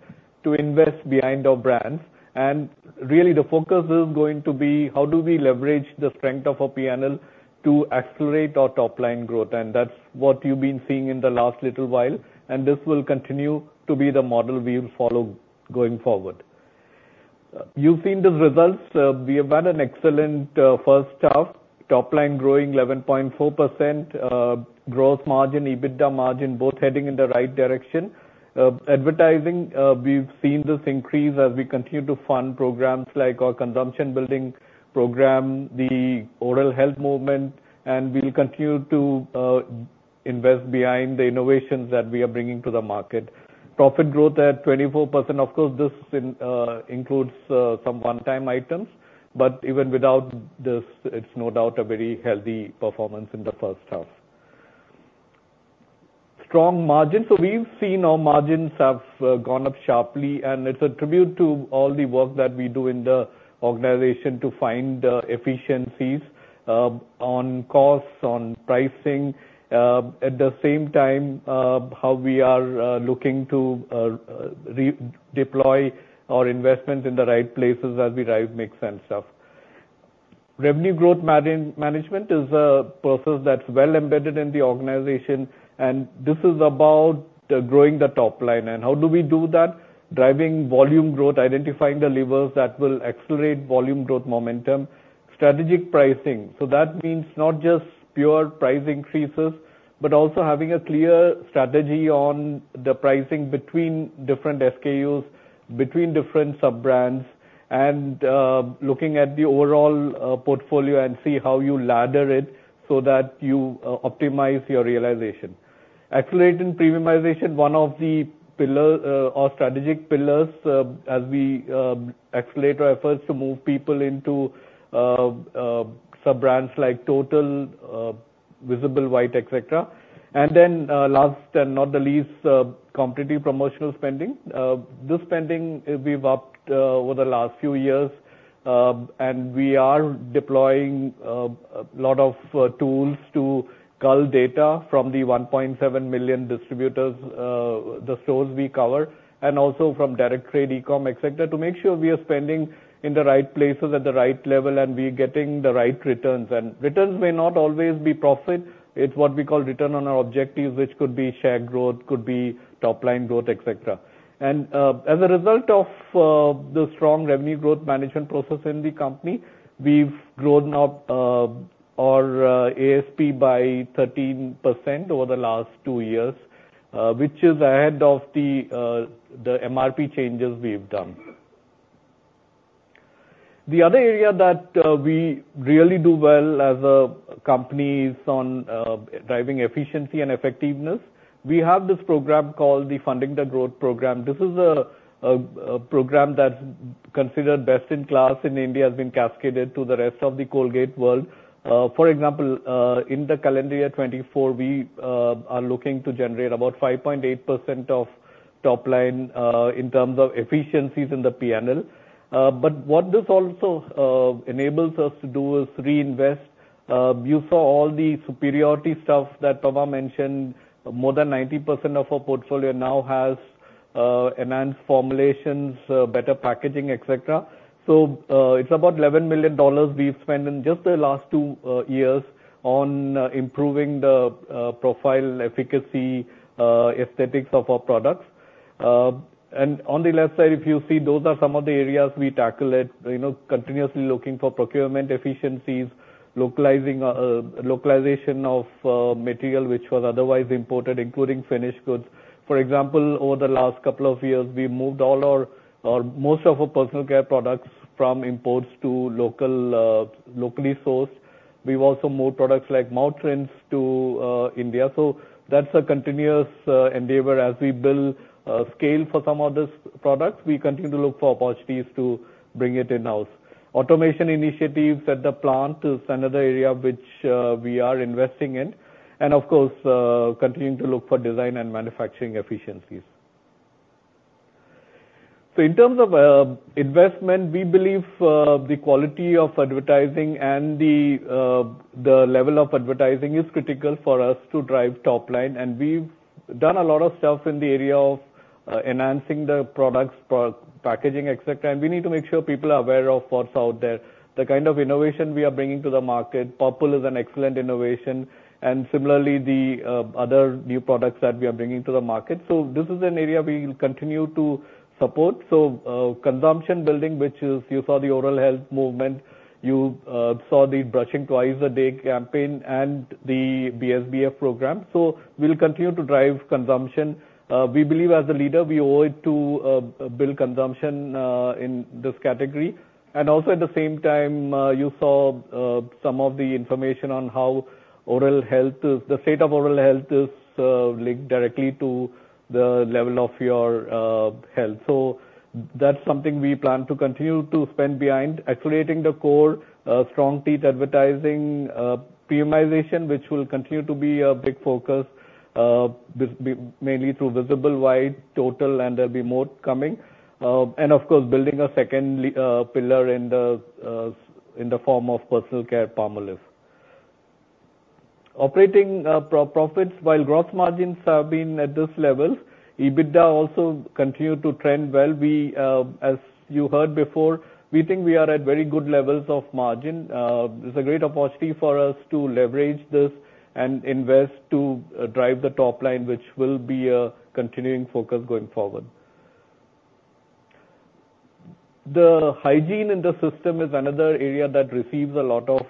to invest behind our brands. And really, the focus is going to be how do we leverage the strength of our P&L to accelerate our top-line growth. And that's what you've been seeing in the last little while, and this will continue to be the model we will follow going forward. You've seen the results. We have had an excellent first half, top-line growing 11.4%, gross margin, EBITDA margin both heading in the right direction. Advertising, we've seen this increase as we continue to fund programs like our consumption building program, the Oral Health Movement, and we'll continue to invest behind the innovations that we are bringing to the market. Profit growth at 24%. Of course, this includes some one-time items, but even without this, it's no doubt a very healthy performance in the first half. Strong margins, so we've seen our margins have gone up sharply, and it's a tribute to all the work that we do in the organization to find efficiencies on costs, on pricing. At the same time, how we are looking to deploy our investments in the right places as we drive mix and stuff. Revenue Growth Management is a process that's well embedded in the organization, and this is about growing the top line, how do we do that? Driving volume growth, identifying the levers that will accelerate volume growth momentum, strategic pricing. So that means not just pure price increases, but also having a clear strategy on the pricing between different SKUs, between different sub-brands, and looking at the overall portfolio and see how you ladder it so that you optimize your realization. Accelerating premiumization, one of the strategic pillars as we accelerate our efforts to move people into sub-brands like Total, Visible White, etc. And then last and not the least, competitive promotional spending. This spending we've upped over the last few years, and we are deploying a lot of tools to pull data from the 1.7 million distributors, the stores we cover, and also from direct trade, e-com, etc., to make sure we are spending in the right places at the right level and we're getting the right returns, and returns may not always be profit. It's what we call return on our objectives, which could be share growth, could be top-line growth, etc. And as a result of the strong revenue growth management process in the company, we've grown our ASP by 13% over the last two years, which is ahead of the MRP changes we've done. The other area that we really do well as a company is on driving efficiency and effectiveness. We have this program called the Funding the Growth Program. This is a program that's considered best in class in India, has been cascaded to the rest of the Colgate world. For example, in the calendar year 2024, we are looking to generate about 5.8% of top line in terms of efficiencies in the P&L. But what this also enables us to do is reinvest. You saw all the superiority stuff that Prabha mentioned. More than 90% of our portfolio now has enhanced formulations, better packaging, etc. So it's about $11 million we've spent in just the last two years on improving the profile, efficacy, aesthetics of our products. And on the left side, if you see, those are some of the areas we tackle continuously looking for procurement efficiencies, localization of material which was otherwise imported, including finished goods. For example, over the last couple of years, we moved all or most of our personal care products from imports to locally sourced. We've also moved products like mouth rinses to India. So that's a continuous endeavor as we build scale for some of these products. We continue to look for opportunities to bring it in-house. Automation initiatives at the plant is another area which we are investing in. And of course, continuing to look for design and manufacturing efficiencies. So in terms of investment, we believe the quality of advertising and the level of advertising is critical for us to drive top line. And we've done a lot of stuff in the area of enhancing the products, packaging, etc. And we need to make sure people are aware of what's out there. The kind of innovation we are bringing to the market, Purple is an excellent innovation. And similarly, the other new products that we are bringing to the market. So this is an area we will continue to support. So consumption building, which is you saw the Oral Health Movement, you saw the brushing twice a day campaign, and the BSBF program. So we'll continue to drive consumption. We believe as a leader, we owe it to build consumption in this category. And also at the same time, you saw some of the information on how oral health, the state of oral health, is linked directly to the level of your health. So that's something we plan to continue to spend behind. Accelerating the core, Strong Teeth advertising, premiumization, which will continue to be a big focus mainly through Visible White, Total, and there'll be more coming. And of course, building a second pillar in the form of personal care Palmolive. Operating profits, while gross margins have been at this level, EBITDA also continued to trend well. As you heard before, we think we are at very good levels of margin. It's a great opportunity for us to leverage this and invest to drive the top line, which will be a continuing focus going forward. The hygiene in the system is another area that receives a lot of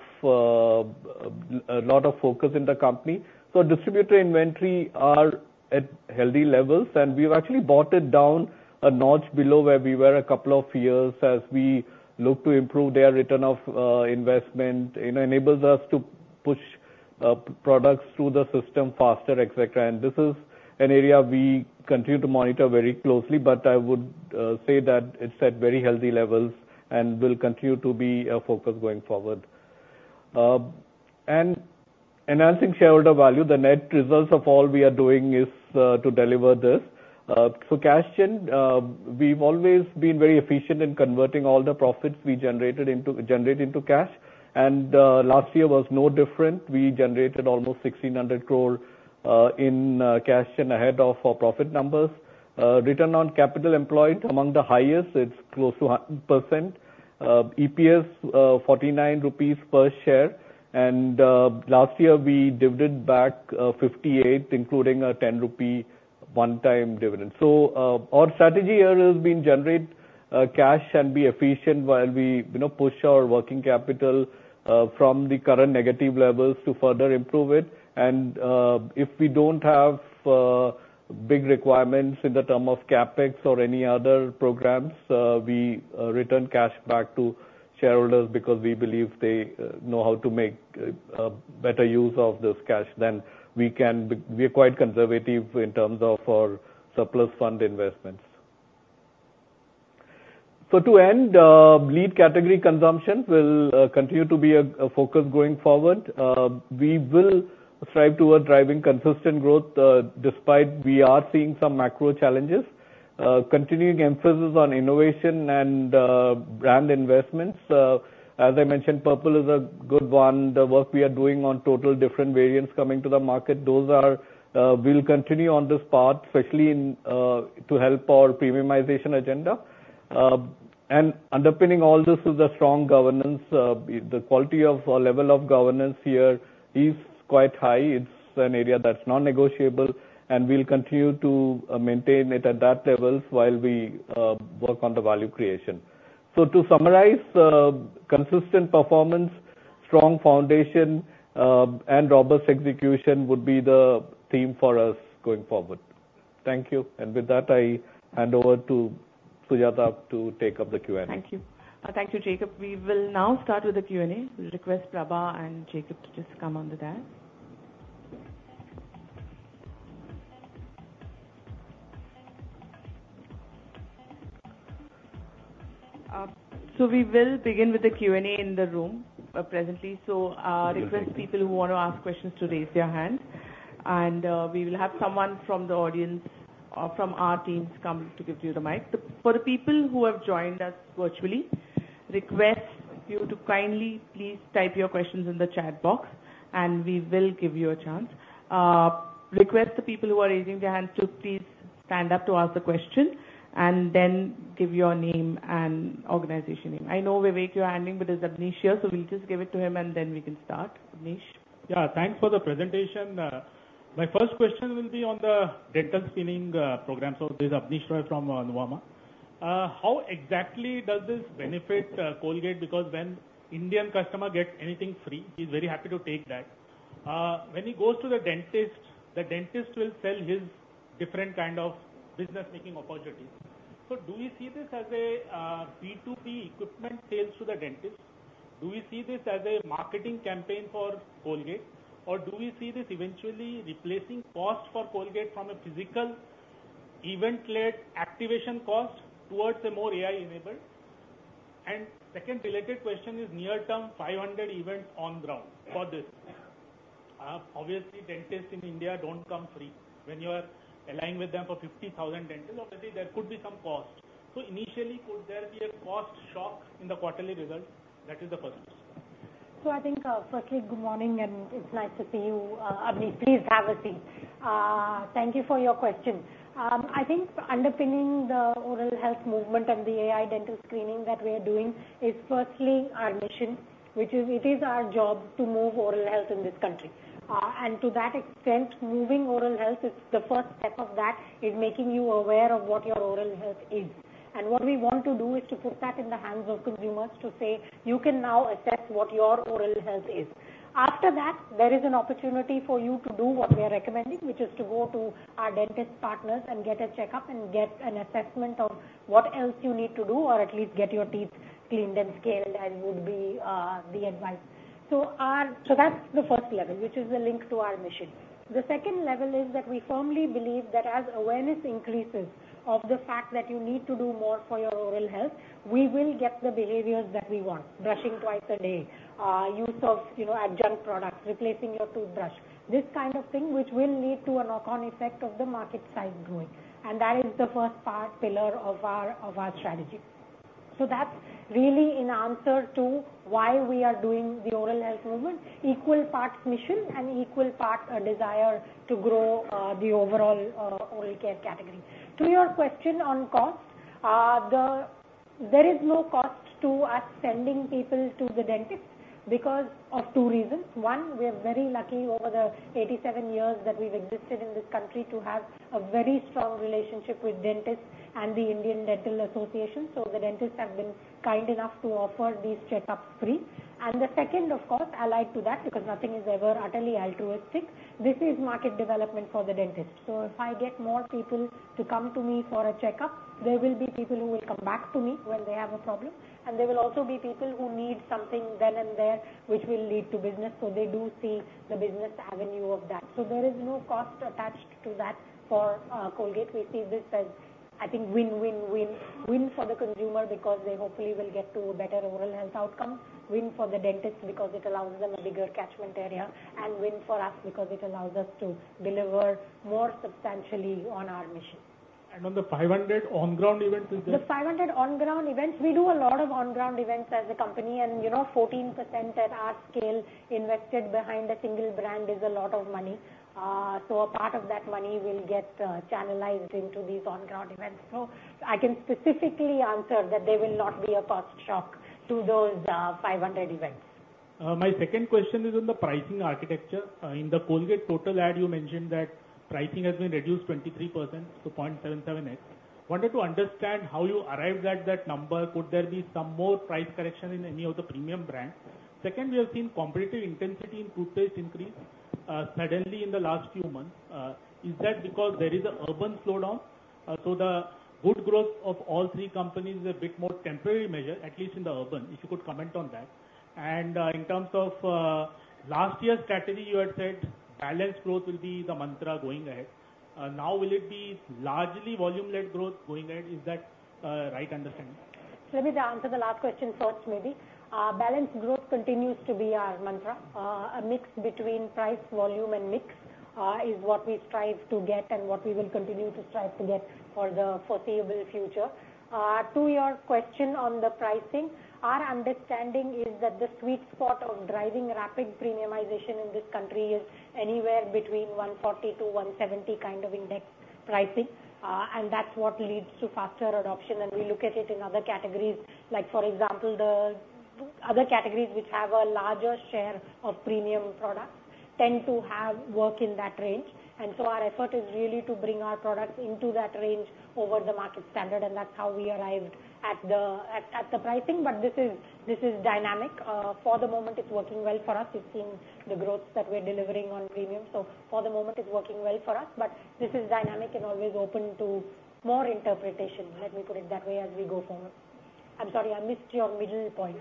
focus in the company. Distributor inventory is at healthy levels, and we've actually brought it down a notch below where we were a couple of years ago as we look to improve their return on investment. It enables us to push products through the system faster, etc. This is an area we continue to monitor very closely, but I would say that it's at very healthy levels and will continue to be a focus going forward. Enhancing shareholder value, the net results of all we are doing is to deliver this. Cash gen, we've always been very efficient in converting all the profits we generate into cash. Last year was no different. We generated almost 1,600 crore in cash gen ahead of our profit numbers. Return on capital employed among the highest. It's close to 1%. EPS, 49 rupees per share. Last year, we distributed back 58, including a 10 rupee one-time dividend. So our strategy here has been to generate cash and be efficient while we push our working capital from the current negative levels to further improve it. If we don't have big requirements in terms of CapEx or any other programs, we return cash back to shareholders because we believe they know how to make better use of this cash than we can. We are quite conservative in terms of our surplus fund investments. To end, oral category consumption will continue to be a focus going forward. We will strive toward driving consistent growth despite we are seeing some macro challenges. Continuing emphasis on innovation and brand investments. As I mentioned, Purple is a good one. The work we are doing on Total, different variants coming to the market, those will continue on this path, especially to help our premiumization agenda. And underpinning all this is the strong governance. The quality of our level of governance here is quite high. It's an area that's non-negotiable, and we'll continue to maintain it at that level while we work on the value creation. So to summarize, consistent performance, strong foundation, and robust execution would be the theme for us going forward. Thank you. And with that, I hand over to Sujata to take up the Q&A. Thank you. Thank you, Jacob. We will now start with the Q&A. We'll request Prabha and Jacob to just come onto that. So we will begin with the Q&A in the room presently. So I request people who want to ask questions to raise their hand. And we will have someone from the audience or from our teams come to give you the mic. For the people who have joined us virtually, request you to kindly please type your questions in the chat box, and we will give you a chance. Request the people who are raising their hands to please stand up to ask the question and then give your name and organization name. I know Vivek you're handling, but it's Abneesh here, so we'll just give it to him and then we can start. Abneesh. Yeah, thanks for the presentation. My first question will be on the dental screening program. So this is Abneesh Roy from Nuvama. How exactly does this benefit Colgate? Because when Indian customers get anything free, he's very happy to take that. When he goes to the dentist, the dentist will sell his different kind of business-making opportunities. So do we see this as a B2B equipment sales to the dentist? Do we see this as a marketing campaign for Colgate? Or do we see this eventually replacing cost for Colgate from a physical event-led activation cost towards a more AI-enabled? And second related question is near-term 500 events on ground for this. Obviously, dentists in India don't come free. When you are allying with them for 50,000 dentists, obviously there could be some cost. So initially, could there be a cost shock in the quarterly result? That is the first question. I think, firstly, good morning, and it's nice to see you. Abneesh, please have a seat. Thank you for your question. I think underpinning the Oral Health Movement and the AI dental screening that we are doing is firstly our mission, which is our job to move oral health in this country. To that extent, moving oral health is the first step of that: making you aware of what your oral health is. And what we want to do is to put that in the hands of consumers to say, "You can now assess what your oral health is." After that, there is an opportunity for you to do what we are recommending, which is to go to our dentist partners and get a checkup and get an assessment of what else you need to do or at least get your teeth cleaned and scaled, as would be the advice. So that's the first level, which is the link to our mission. The second level is that we firmly believe that as awareness increases of the fact that you need to do more for your oral health, we will get the behaviors that we want: brushing twice a day, use of adjunct products, replacing your toothbrush, this kind of thing, which will lead to a knock-on effect of the market size growing. That is the first pillar of our strategy. That's really in answer to why we are doing the Oral Health Movement, equal parts mission and equal parts a desire to grow the overall oral care category. To your question on cost, there is no cost to us sending people to the dentist because of two reasons. One, we are very lucky over the 87 years that we've existed in this country to have a very strong relationship with dentists and the Indian Dental Association. The dentists have been kind enough to offer these checkups free. The second, of course, allied to that, because nothing is ever utterly altruistic, this is market development for the dentist. If I get more people to come to me for a checkup, there will be people who will come back to me when they have a problem. There will also be people who need something then and there, which will lead to business. So they do see the business avenue of that. So there is no cost attached to that for Colgate. We see this as, I think, win-win-win, win for the consumer because they hopefully will get to a better oral health outcome, win for the dentist because it allows them a bigger catchment area, and win for us because it allows us to deliver more substantially on our mission. On the 500 on-ground events, is there? The 500 on-ground events, we do a lot of on-ground events as a company. And 14% at our scale invested behind a single brand is a lot of money. So a part of that money will get channelized into these on-ground events. So I can specifically answer that there will not be a cost shock to those 500 events. My second question is on the pricing architecture. In the Colgate Total ad, you mentioned that pricing has been reduced 23% to 0.77x. Wanted to understand how you arrived at that number. Could there be some more price correction in any of the premium brands? Second, we have seen competitive intensity in toothpaste increase suddenly in the last few months. Is that because there is an urban slowdown? So the good growth of all three companies is a bit more temporary measure, at least in the urban, if you could comment on that. And in terms of last year's strategy, you had said balanced growth will be the mantra going ahead. Now will it be largely volume-led growth going ahead? Is that a right understanding? Let me answer the last question first, maybe. Balanced growth continues to be our mantra. A mix between price, volume, and mix is what we strive to get and what we will continue to strive to get for the foreseeable future. To your question on the pricing, our understanding is that the sweet spot of driving rapid premiumization in this country is anywhere between 140-170 kind of index pricing, and that's what leads to faster adoption, and we look at it in other categories, like for example, the other categories which have a larger share of premium products tend to work in that range, and so our effort is really to bring our products into that range over the market standard, and that's how we arrived at the pricing, but this is dynamic. For the moment, it's working well for us. We've seen the growth that we're delivering on premium. So for the moment, it's working well for us. But this is dynamic and always open to more interpretation. Let me put it that way as we go forward. I'm sorry, I missed your middle point.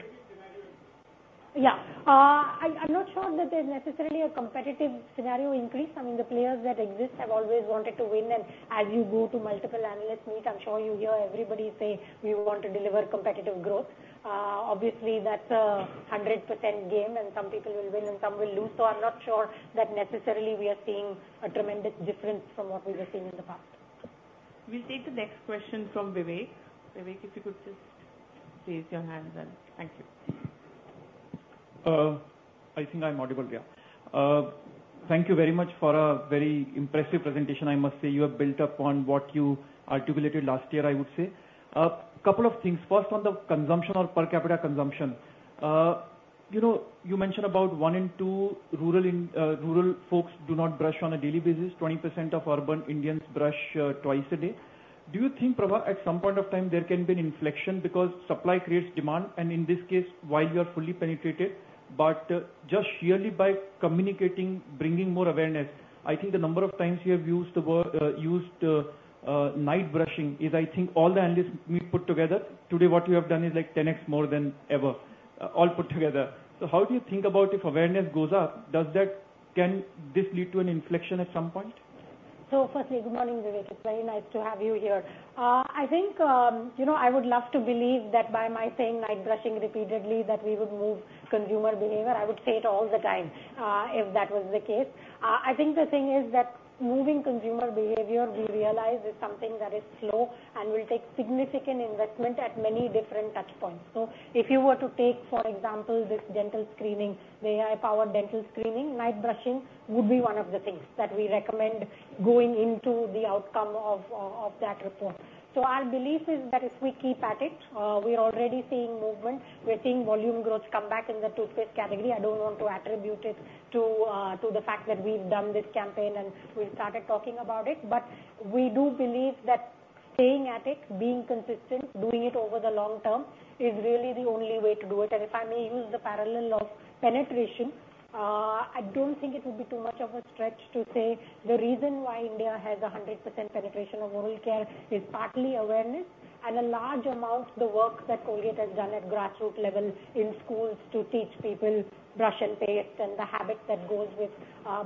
Yeah. I'm not sure that there's necessarily a competitive scenario increase. I mean, the players that exist have always wanted to win. And as you go to multiple analyst meets, I'm sure you hear everybody say, "We want to deliver competitive growth." Obviously, that's a 100% game, and some people will win and some will lose. So I'm not sure that necessarily we are seeing a tremendous difference from what we were seeing in the past. We'll take the next question from Vivek. Vivek, if you could just raise your hand then. Thank you. I think I'm audible there. Thank you very much for a very impressive presentation, I must say. You have built upon what you articulated last year, I would say. A couple of things. First, on the consumption or per capita consumption. You mentioned about one in two rural folks do not brush on a daily basis. 20% of urban Indians brush twice a day. Do you think, Prabha, at some point of time, there can be an inflection because supply creates demand? And in this case, while you are fully penetrated, but just sheerly by communicating, bringing more awareness, I think the number of times you have used night brushing is, I think, all the analysts put together. Today, what you have done is like 10x more than ever, all put together. So how do you think about if awareness goes up, can this lead to an inflection at some point? So firstly, good morning, Vivek. It's very nice to have you here. I think I would love to believe that by my saying night brushing repeatedly, that we would move consumer behavior. I would say it all the time if that was the case. I think the thing is that moving consumer behavior, we realize, is something that is slow and will take significant investment at many different touchpoints. So if you were to take, for example, this dental screening, the AI-powered dental screening, night brushing would be one of the things that we recommend going into the outcome of that report. So our belief is that if we keep at it, we're already seeing movement. We're seeing volume growth come back in the toothpaste category. I don't want to attribute it to the fact that we've done this campaign and we've started talking about it. But we do believe that staying at it, being consistent, doing it over the long term is really the only way to do it. And if I may use the parallel of penetration, I don't think it would be too much of a stretch to say the reason why India has 100% penetration of oral care is partly awareness and a large amount of the work that Colgate has done at grassroots level in schools to teach people brush and paste and the habit that goes with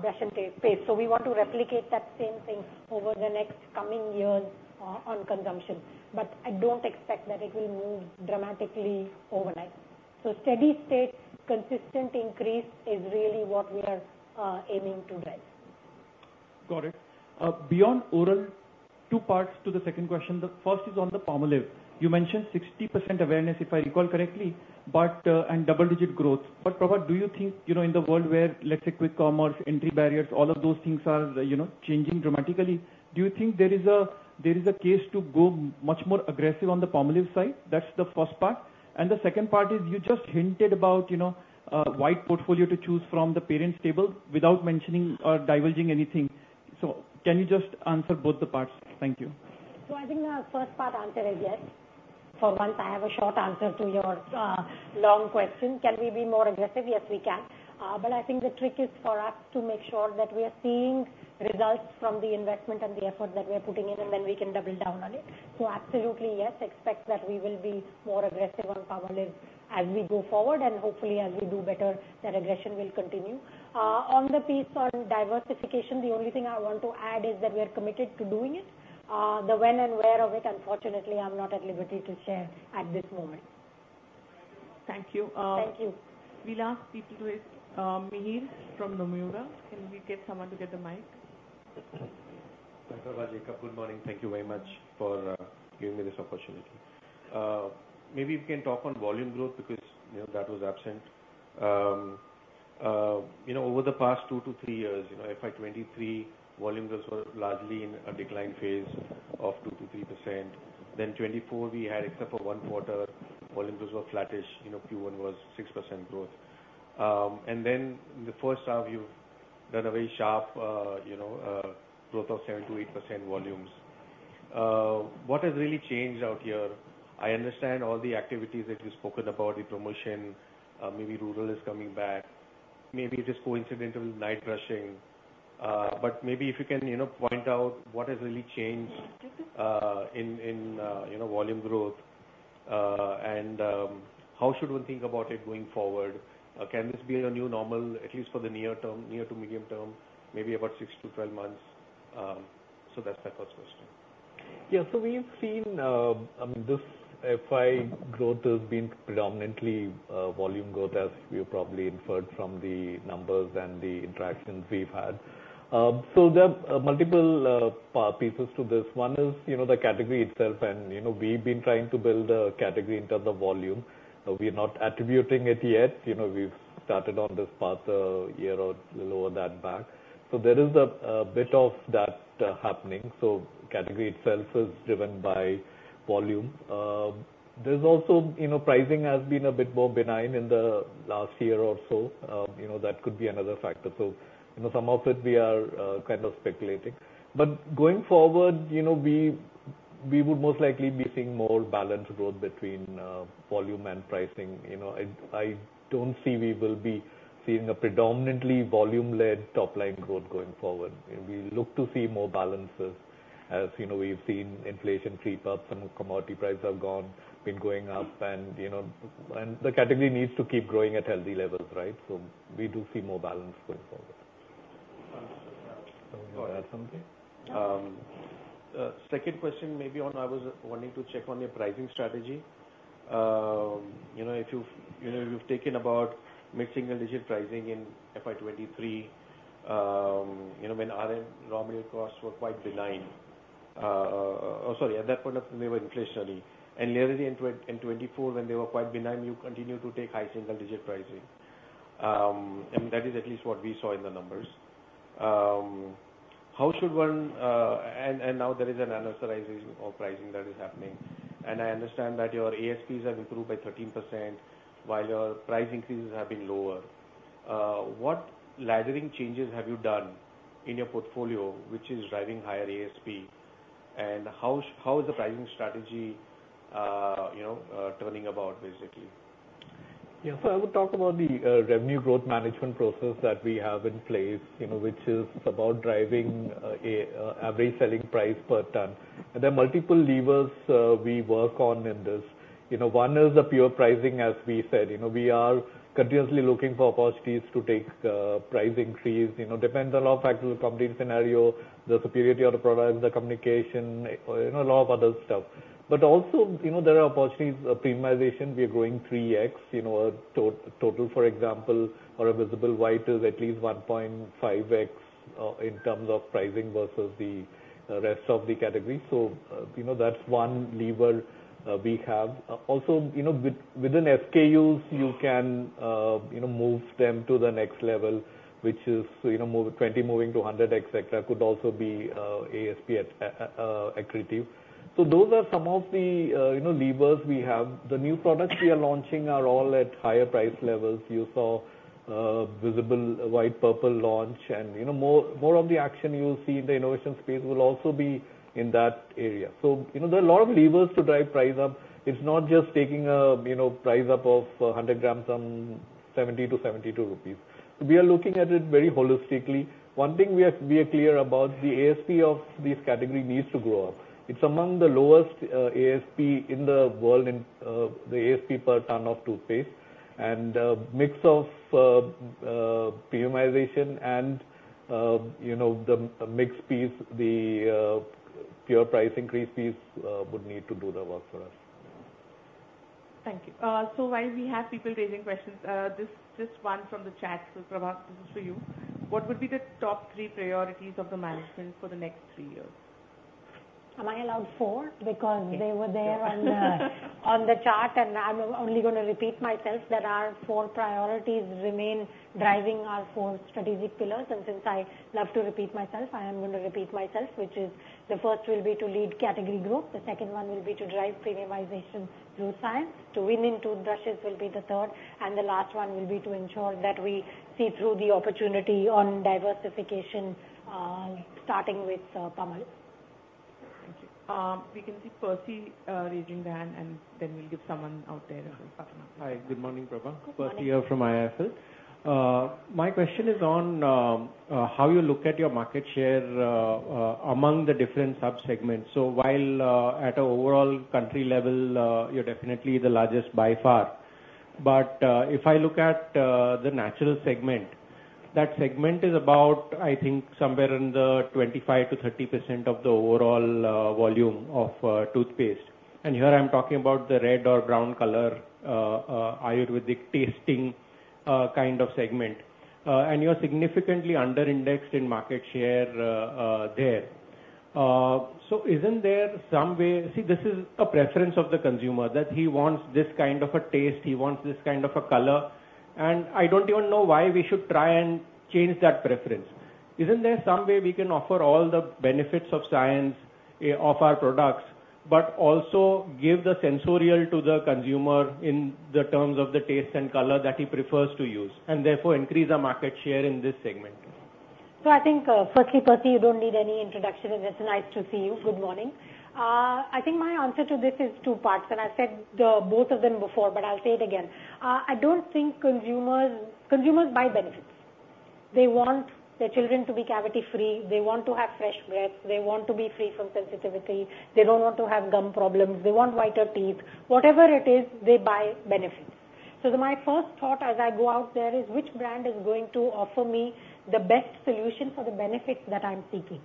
brush and paste. So we want to replicate that same thing over the next coming years on consumption. But I don't expect that it will move dramatically overnight. So steady state, consistent increase is really what we are aiming to drive. Got it. Beyond oral, two parts to the second question. The first is on the formula. You mentioned 60% awareness, if I recall correctly, and double-digit growth. But Prabha, do you think in the world where, let's say, quick commerce, entry barriers, all of those things are changing dramatically, do you think there is a case to go much more aggressive on the formula side? That's the first part. And the second part is you just hinted about a wide portfolio to choose from the parents' table without mentioning or diverging anything. So can you just answer both the parts? Thank you. So I think the first part answer is yes. For once, I have a short answer to your long question. Can we be more aggressive? Yes, we can. But I think the trick is for us to make sure that we are seeing results from the investment and the effort that we are putting in, and then we can double down on it. So absolutely, yes, expect that we will be more aggressive on formula as we go forward. And hopefully, as we do better, that aggression will continue. On the piece on diversification, the only thing I want to add is that we are committed to doing it. The when and where of it, unfortunately, I'm not at liberty to share at this moment. Thank you. Thank you. The last speaking to is Mahesh from Nomura. Can we get someone to get the mic? Prabha, Jacob, good morning. Thank you very much for giving me this opportunity. Maybe we can talk on volume growth because that was absent. Over the past two to three years, FY 2023 volume growth was largely in a decline phase of 2%-3%. Then 2024, we had, except for one quarter, volume growth was flattish. Q1 was 6% growth. And then in the first half, you have done a very sharp growth of 7%-8% volumes. What has really changed out here? I understand all the activities that you have spoken about, the promotion, maybe rural is coming back. Maybe it is coincidental night brushing. But maybe if you can point out what has really changed in volume growth and how should one think about it going forward? Can this be a new normal, at least for the near term, near to medium term, maybe about 6-12 months? So that's my first question. Yeah. So we've seen, this FY growth has been predominantly volume growth, as we have probably inferred from the numbers and the interactions we've had. So there are multiple pieces to this. One is the category itself. And we've been trying to build a category in terms of volume. We are not attributing it yet. We've started on this path a year ago. Let's back that up. So there is a bit of that happening. So category itself is driven by volume. There's also pricing has been a bit more benign in the last year or so. That could be another factor. So some of it, we are kind of speculating. But going forward, we would most likely be seeing more balanced growth between volume and pricing. I don't see we will be seeing a predominantly volume-led top-line growth going forward. We look to see more balances as we've seen inflation creep up and commodity prices have been going up, and the category needs to keep growing at healthy levels, right, so we do see more balance going forward. Can we add something? Second question, maybe on I was wanting to check on your pricing strategy. If you've taken about mid-single-digit pricing in FY 2023 when R&D raw material costs were quite benign. Sorry, at that point of time, they were inflationary. And later in 2024, when they were quite benign, y ou continued to take high single-digit pricing. And that is at least what we saw in the numbers. How should one? And now there is an adversarial pricing that is happening. And I understand that your ASPs have improved by 13%, while your price increases have been lower. What laddering changes have you done in your portfolio, which is driving higher ASP? And how is the pricing strategy turning about, basically? Yeah. So I would talk about the Revenue Growth Management process that we have in place, which is about driving average selling price per ton. There are multiple levers we work on in this. One is the pure pricing, as we said. We are continuously looking for opportunities to take price increase. Depends a lot on factors, the company scenario, the superiority of the product, the communication, a lot of other stuff. But also, there are opportunities of premiumization. We are growing 3x Total, for example, or Visible White is at least 1.5x in terms of pricing versus the rest of the category. So that's one lever we have. Also, within SKUs, you can move them to the next level, which is 20 moving to 100, etc. Could also be ASP accretive. So those are some of the levers we have. The new products we are launching are all at higher price levels. You saw Visible White Purple launch. More of the action you'll see in the innovation space will also be in that area. There are a lot of levers to drive price up. It's not just taking a price up of 100 grams on 70-72 rupees. We are looking at it very holistically. One thing we are clear about, the ASP of this category needs to grow up. It's among the lowest ASP in the world, the ASP per ton of toothpaste. The mix of premiumization and the mix piece, the pure price increase piece would need to do the work for us. Thank you. While we have people raising questions, just one from the chat. Prabha, this is for you. What would be the top three priorities of the management for the next three years? Am I allowed four? Because they were there on the chart. And I'm only going to repeat myself. There are four priorities remain driving our four strategic pillars. And since I love to repeat myself, I am going to repeat myself, which is the first will be to lead category growth. The second one will be to drive premiumization through science. To win in toothbrushes will be the third. And the last one will be to ensure that we see through the opportunity on diversification, starting with Prabha. Thank you. We can see Percy raising their hand, and then we'll give someone out there a question. Hi. Good morning, Prabha. Percy here from IIFL. Good morning. My question is on how you look at your market share among the different sub-segments. So while at an overall country level, you're definitely the largest by far. But if I look at the natural segment, that segment is about, I think, somewhere in the 25%-30% of the overall volume of toothpaste. And here I'm talking about the red or brown color Ayurvedic tasting kind of segment. And you're significantly under-indexed in market share there. So isn't there some way? See, this is a preference of the consumer that he wants this kind of a taste. He wants this kind of a color. And I don't even know why we should try and change that preference. Isn't there some way we can offer all the benefits of science of our products, but also give the sensory to the consumer in the terms of the taste and color that he prefers to use and therefore increase our market share in this segment? So I think, firstly, Percy, you don't need any introduction. And it's nice to see you. Good morning. I think my answer to this is two parts. And I've said both of them before, but I'll say it again. I don't think consumers buy benefits. They want their children to be cavity-free. They want to have fresh breath. They want to be free from sensitivity. They don't want to have gum problems. They want whiter teeth. Whatever it is, they buy benefits. So my first thought as I go out there is, which brand is going to offer me the best solution for the benefits that I'm seeking?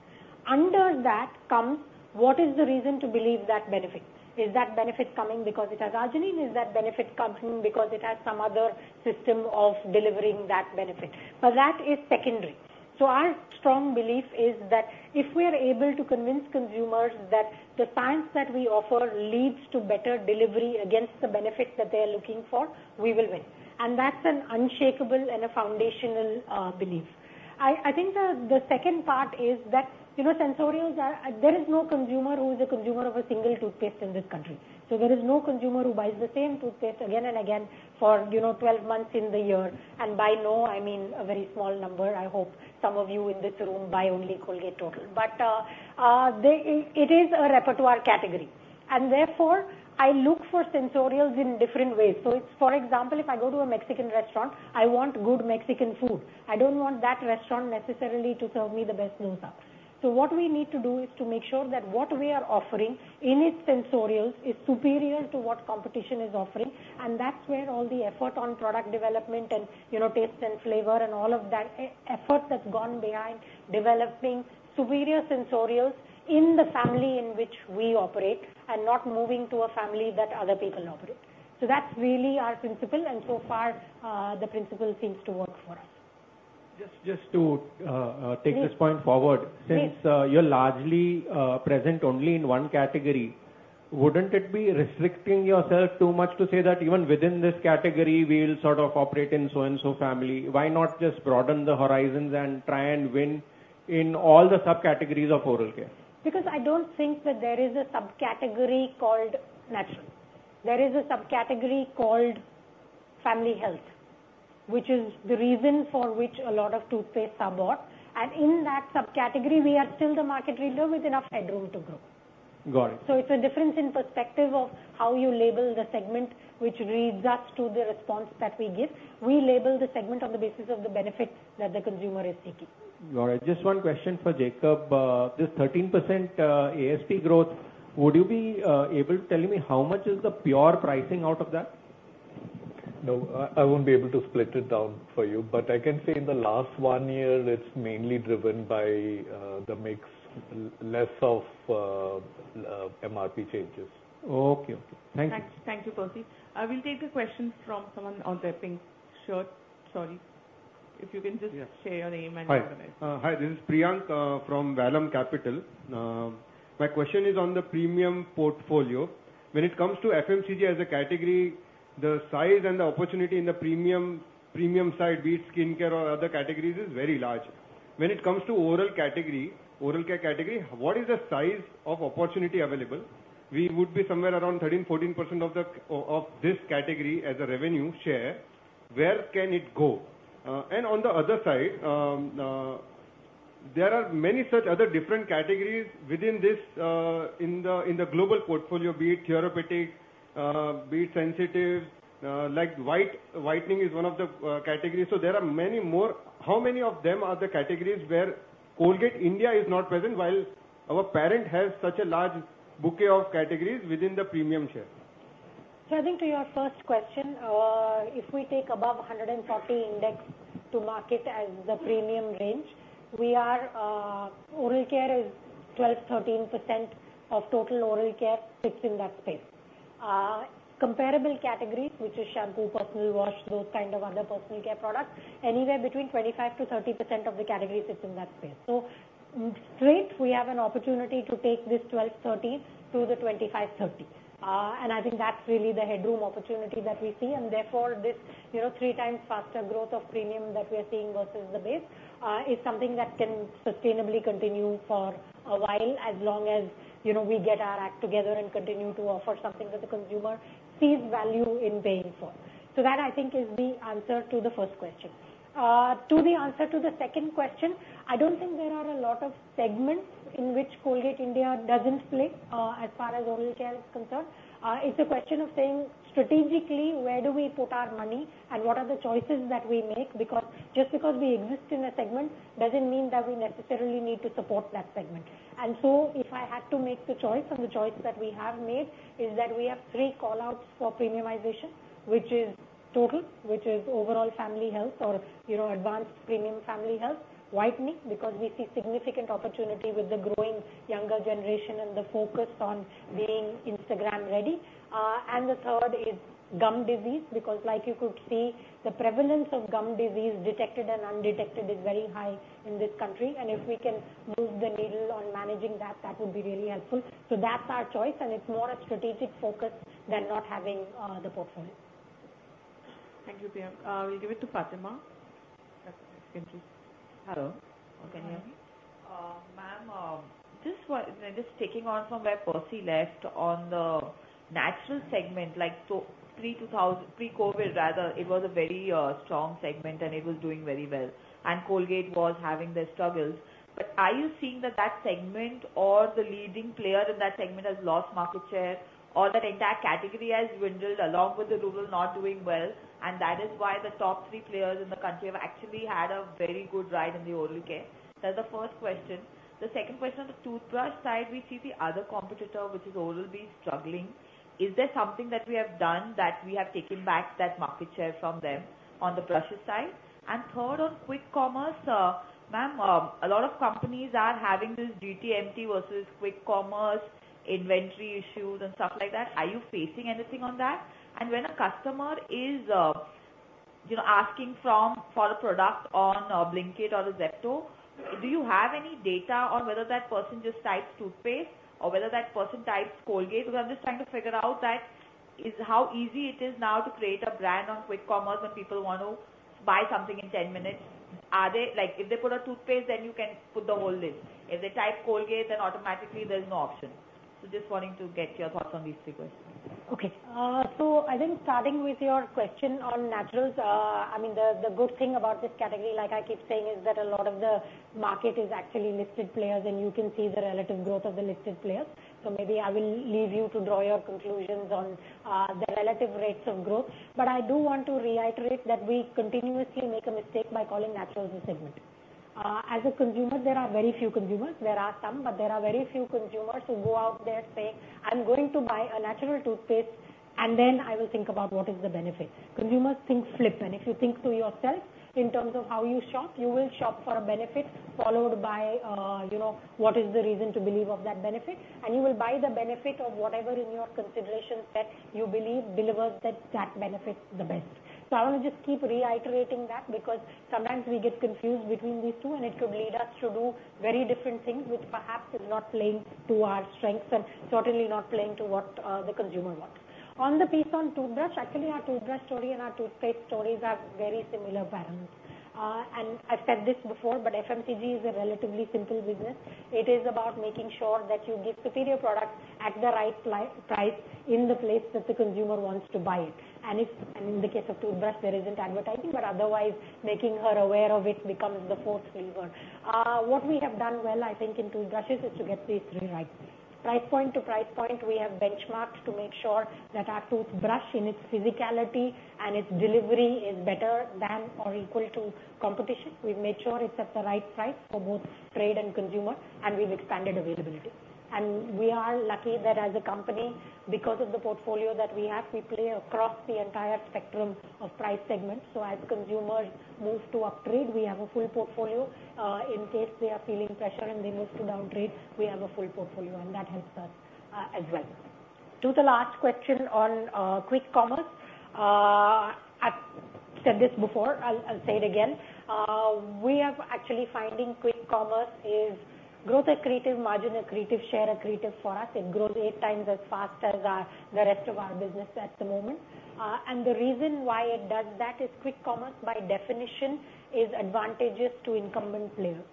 Under that comes, what is the reason to believe that benefit? Is that benefit coming because it has arginine? Is that benefit coming because it has some other system of delivering that benefit? But that is secondary. Our strong belief is that if we are able to convince consumers that the science that we offer leads to better delivery against the benefit that they are looking for, we will win. And that's an unshakable and a foundational belief. I think the second part is that sensorials, there is no consumer who is a consumer of a single toothpaste in this country. So there is no consumer who buys the same toothpaste again and again for 12 months in the year. And by no, I mean a very small number. I hope some of you in this room buy only Colgate Total. But it is a repertoire category. And therefore, I look for sensorials in different ways. So for example, if I go to a Mexican restaurant, I want good Mexican food. I don't want that restaurant necessarily to serve me the best dosa. So what we need to do is to make sure that what we are offering in its sensorials is superior to what competition is offering. And that's where all the effort on product development and taste and flavor and all of that effort that's gone behind developing superior sensorials in the family in which we operate and not moving to a family that other people operate. So that's really our principle. And so far, the principle seems to work for us. Just to take this point forward, since you're largely present only in one category, wouldn't it be restricting yourself too much to say that even within this category, we'll sort of operate in so-and-so family? Why not just broaden the horizons and try and win in all the subcategories of oral care? Because I don't think that there is a subcategory called natural. There is a subcategory called family health, which is the reason for which a lot of toothpastes are bought. And in that subcategory, we are still the market leader with enough headroom to grow. Got it. It's a difference in perspective of how you label the segment, which leads us to the response that we give. We label the segment on the basis of the benefit that the consumer is seeking. All right. Just one question for Jacob. This 13% ASP growth, would you be able to tell me how much is the pure pricing out of that? No, I won't be able to split it down for you. But I can say in the last one year, it's mainly driven by the mix, less of MRP changes. Okay. Okay. Thank you. Thank you, Percy. I will take a question from someone on their pink shirt. Sorry. If you can just share your name and organization. Hi. This is Priyank from Vallum Capital. My question is on the premium portfolio. When it comes to FMCG as a category, the size and the opportunity in the premium side, be it skincare or other categories, is very large. When it comes to oral care category, what is the size of opportunity available? We would be somewhere around 13%-14% of this category as a revenue share. Where can it go? And on the other side, there are many such other different categories within this in the global portfolio, be it therapeutic, be it sensitive. Like whitening is one of the categories. So there are many more. How many of them are the categories where Colgate India is not present while our parent has such a large bouquet of categories within the premium share? So I think to your first question, if we take above 140 index to market as the premium range, our oral care is 12%-13% of total oral care sits in that space. Comparable categories, which are shampoo, personal wash, those kind of other personal care products, anywhere between 25%-30% of the categories sits in that space. So straight, we have an opportunity to take this 12%-13% to the 25%-30%. And I think that's really the headroom opportunity that we see. And therefore, this three times faster growth of premium that we are seeing versus the base is something that can sustainably continue for a while as long as we get our act together and continue to offer something that the consumer sees value in paying for. So that, I think, is the answer to the first question. To the answer to the second question, I don't think there are a lot of segments in which Colgate India doesn't play as far as oral care is concerned. It's a question of saying, strategically, where do we put our money and what are the choices that we make? Because just because we exist in a segment doesn't mean that we necessarily need to support that segment. And so if I had to make the choice, and the choice that we have made is that we have three callouts for premiumization, which is total, which is overall family health or advanced premium family health, whitening because we see significant opportunity with the growing younger generation and the focus on being Instagram-ready. And the third is gum disease because, like you could see, the prevalence of gum disease detected and undetected is very high in this country. And if we can move the needle on managing that, that would be really helpful. So that's our choice. And it's more a strategic focus than not having the portfolio. Thank you, Priyank. We'll give it to Fatima. Hello. Can you hear me? Ma'am, just taking on from where Percy left on the natural segment, pre-COVID, rather, it was a very strong segment, and it was doing very well. And Colgate was having their struggles. But are you seeing that that segment or the leading player in that segment has lost market share? Or that entire category has dwindled along with the rural not doing well? And that is why the top three players in the country have actually had a very good ride in the oral care? That's the first question. The second question, on the toothbrush side, we see the other competitor, which is Oral-B, struggling. Is there something that we have done that we have taken back that market share from them on the brushes side? And third, on quick commerce, Ma'am, a lot of companies are having this GT/MT versus quick commerce inventory issues and stuff like that. Are you facing anything on that? And when a customer is asking for a product on a Blinkit or a Zepto, do you have any data on whether that person just types toothpaste or whether that person types Colgate? Because I'm just trying to figure out how easy it is now to create a brand on quick commerce when people want to buy something in 10 minutes. If they put a toothpaste, then you can put the whole list. If they type Colgate, then automatically there's no option. So just wanting to get your thoughts on these three questions. Okay. So I think starting with your question on naturals, I mean, the good thing about this category, like I keep saying, is that a lot of the market is actually listed players, and you can see the relative growth of the listed players. So maybe I will leave you to draw your conclusions on the relative rates of growth. But I do want to reiterate that we continuously make a mistake by calling naturals a segment. As a consumer, there are very few consumers. There are some, but there are very few consumers who go out there and say, "I'm going to buy a natural toothpaste, and then I will think about what is the benefit." Consumers think flip. And if you think to yourself in terms of how you shop, you will shop for a benefit followed by what is the reason to believe of that benefit. And you will buy the benefit of whatever in your consideration set you believe delivers that benefit the best. So I want to just keep reiterating that because sometimes we get confused between these two, and it could lead us to do very different things, which perhaps is not playing to our strengths and certainly not playing to what the consumer wants. On the piece on toothbrush, actually, our toothbrush story and our toothpaste stories have very similar patterns. And I've said this before, but FMCG is a relatively simple business. It is about making sure that you give superior products at the right price in the place that the consumer wants to buy it. And in the case of toothbrush, there isn't advertising, but otherwise, making her aware of it becomes the fourth lever. What we have done well, I think, in toothbrushes is to get these three right. Price point to price point, we have benchmarked to make sure that our toothbrush, in its physicality and its delivery, is better than or equal to competition. We've made sure it's at the right price for both trade and consumer, and we've expanded availability. And we are lucky that as a company, because of the portfolio that we have, we play across the entire spectrum of price segments. So as consumers move to upgrade, we have a full portfolio. In case they are feeling pressure and they move to downgrade, we have a full portfolio, and that helps us as well. To the last question on quick commerce, I've said this before. I'll say it again. We are actually finding quick commerce is growth accretive, margin accretive, share accretive for us. It grows eight times as fast as the rest of our business at the moment. And the reason why it does that is quick commerce, by definition, is advantageous to incumbent players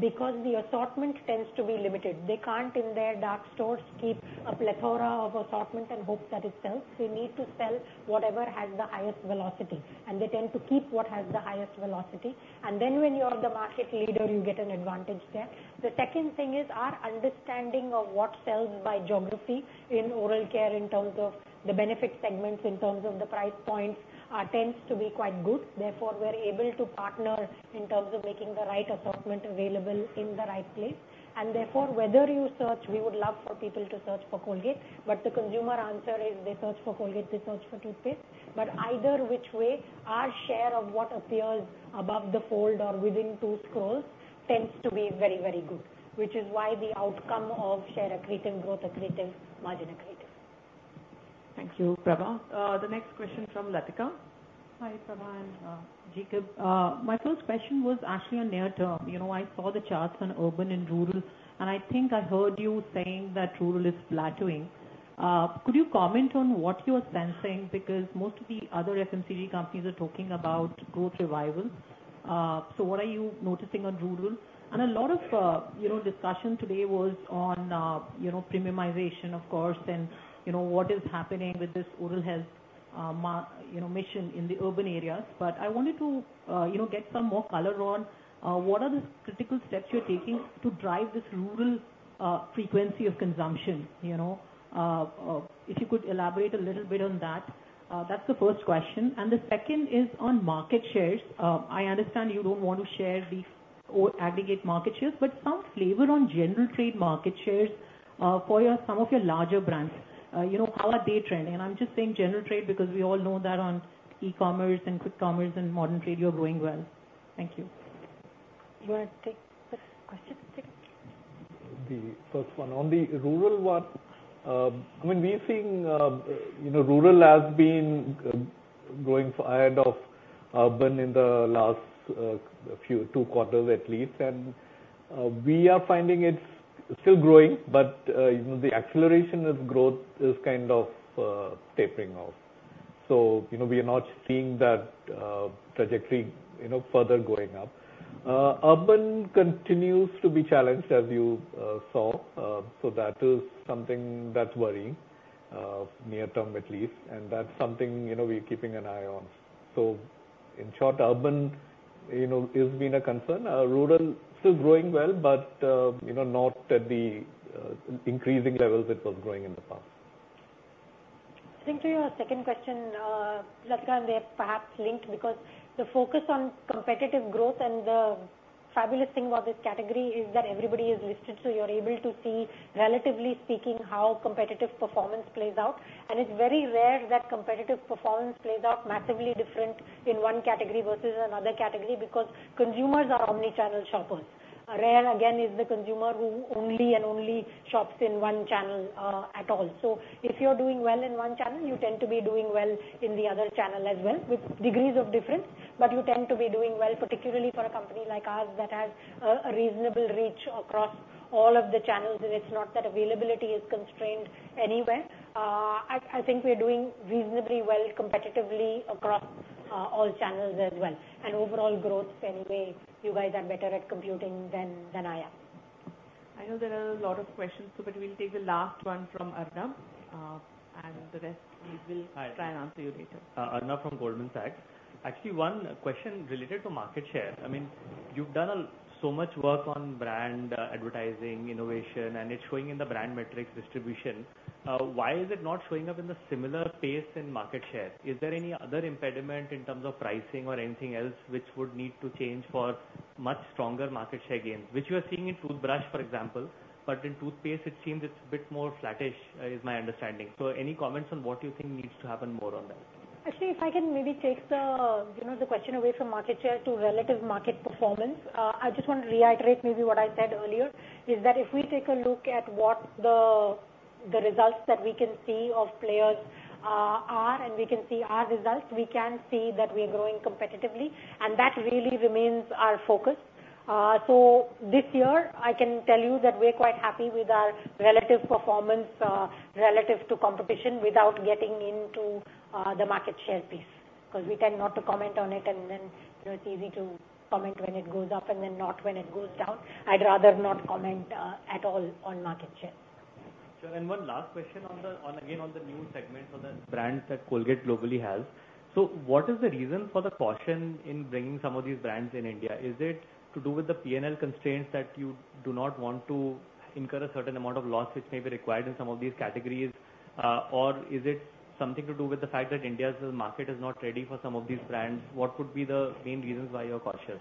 because the assortment tends to be limited. They can't, in their dark stores, keep a plethora of assortment and hope that it sells. They need to sell whatever has the highest velocity. And they tend to keep what has the highest velocity. And then when you're the market leader, you get an advantage there. The second thing is our understanding of what sells by geography in oral care in terms of the benefit segments in terms of the price points tends to be quite good. Therefore, we're able to partner in terms of making the right assortment available in the right place. And therefore, whether you search, we would love for people to search for Colgate. But the consumer answer is they search for Colgate, they search for toothpaste. But either which way, our share of what appears above the fold or within two scrolls tends to be very, very good, which is why the outcome of share accretive, growth accretive, margin accretive. Thank you, Prabha. The next question from Latika. Hi, Prabha and Jacob. My first question was actually on near-term. I saw the charts on urban and rural, and I think I heard you saying that rural is flattening. Could you comment on what you are sensing? Because most of the other FMCG companies are talking about growth revival. So what are you noticing on rural? And a lot of discussion today was on premiumization, of course, and what is happening with this oral health mission in the urban areas. But I wanted to get some more color on what are the critical steps you're taking to drive this rural frequency of consumption? If you could elaborate a little bit on that. That's the first question. And the second is on market shares. I understand you don't want to share the aggregate market shares, but some flavor on general trade market shares for some of your larger brands. How are they trending? And I'm just saying general trade because we all know that on e-commerce and quick commerce and modern trade, you're growing well. Thank you. You want to take the question? Take it. The first one. On the rural one, I mean, we're seeing rural has been growing ahead of urban in the last two quarters at least. And we are finding it's still growing, but the acceleration of growth is kind of tapering off. So we are not seeing that trajectory further going up. Urban continues to be challenged, as you saw. So that is something that's worrying, near-term at least. And that's something we're keeping an eye on. So in short, urban has been a concern. Rural is still growing well, but not at the increasing levels it was growing in the past. Thank you. Your second question, Latika, and they're perhaps linked because the focus on competitive growth and the fabulous thing about this category is that everybody is listed. So you're able to see, relatively speaking, how competitive performance plays out, and it's very rare that competitive performance plays out massively different in one category versus another category because consumers are omnichannel shoppers. Rare, again, is the consumer who only and only shops in one channel at all, so if you're doing well in one channel, you tend to be doing well in the other channel as well, with degrees of difference, but you tend to be doing well, particularly for a company like ours that has a reasonable reach across all of the channels, and it's not that availability is constrained anywhere. I think we're doing reasonably well competitively across all channels as well. Overall growth, anyway, you guys are better at computing than I am. I know there are a lot of questions, but we'll take the last one from Arnab, and the rest, we will try and answer you later. Arnab from Goldman Sachs. Actually, one question related to market share. I mean, you've done so much work on brand advertising, innovation, and it's showing in the brand metrics distribution. Why is it not showing up in the similar pace in market share? Is there any other impediment in terms of pricing or anything else which would need to change for much stronger market share gains? Which you are seeing in toothbrush, for example, but in toothpaste, it seems it's a bit more flattish, is my understanding. So any comments on what you think needs to happen more on that? Actually, if I can maybe take the question away from market share to relative market performance, I just want to reiterate maybe what I said earlier, is that if we take a look at what the results that we can see of players are, and we can see our results, we can see that we are growing competitively. And that really remains our focus. So this year, I can tell you that we're quite happy with our relative performance relative to competition without getting into the market share piece because we tend not to comment on it, and then it's easy to comment when it goes up and then not when it goes down. I'd rather not comment at all on market share. Sure. And one last question, again, on the new segment for the brands that Colgate globally has. So what is the reason for the caution in bringing some of these brands in India? Is it to do with the P&L constraints that you do not want to incur a certain amount of loss which may be required in some of these categories? Or is it something to do with the fact that India's market is not ready for some of these brands? What would be the main reasons why you're cautious?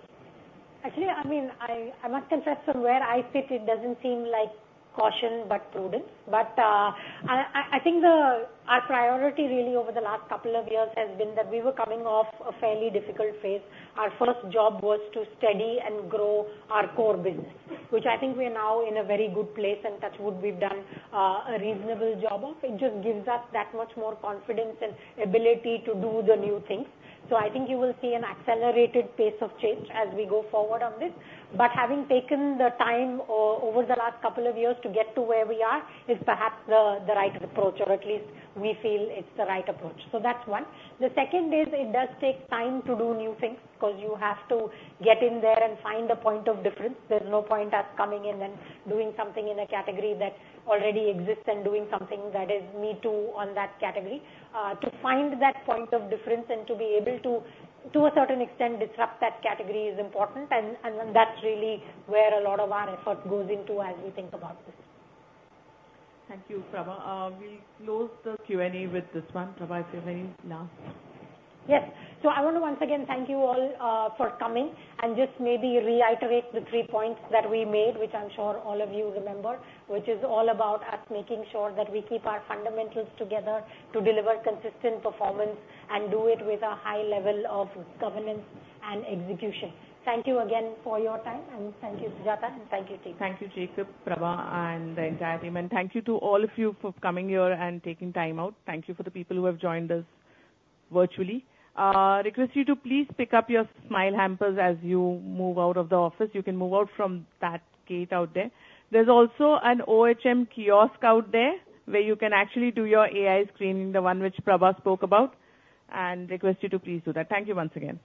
Actually, I mean, I must confess, from where I sit, it doesn't seem like caution but prudence. But I think our priority really over the last couple of years has been that we were coming off a fairly difficult phase. Our first job was to steady and grow our core business, which I think we are now in a very good place, and that's what we've done a reasonable job of. It just gives us that much more confidence and ability to do the new things. So I think you will see an accelerated pace of change as we go forward on this. But having taken the time over the last couple of years to get to where we are is perhaps the right approach, or at least we feel it's the right approach. So that's one. The second is it does take time to do new things because you have to get in there and find a point of difference. There's no point us coming in and doing something in a category that already exists and doing something that is me too on that category. To find that point of difference and to be able to, to a certain extent, disrupt that category is important, and that's really where a lot of our effort goes into as we think about this. Thank you, Prabha. We'll close the Q&A with this one. Prabha, if you have any last. Yes. So I want to once again thank you all for coming and just maybe reiterate the three points that we made, which I'm sure all of you remember, which is all about us making sure that we keep our fundamentals together to deliver consistent performance and do it with a high level of governance and execution. Thank you again for your time, and thank you, Sujata, and thank you, Jacob. Thank you, Jacob, Prabha, and the entire team. And thank you to all of you for coming here and taking time out. Thank you for the people who have joined us virtually. Request you to please pick up your smile hampers as you move out of the office. You can move out from that gate out there. There's also an OHM kiosk out there where you can actually do your AI screening, the one which Prabha spoke about. And request you to please do that. Thank you once again.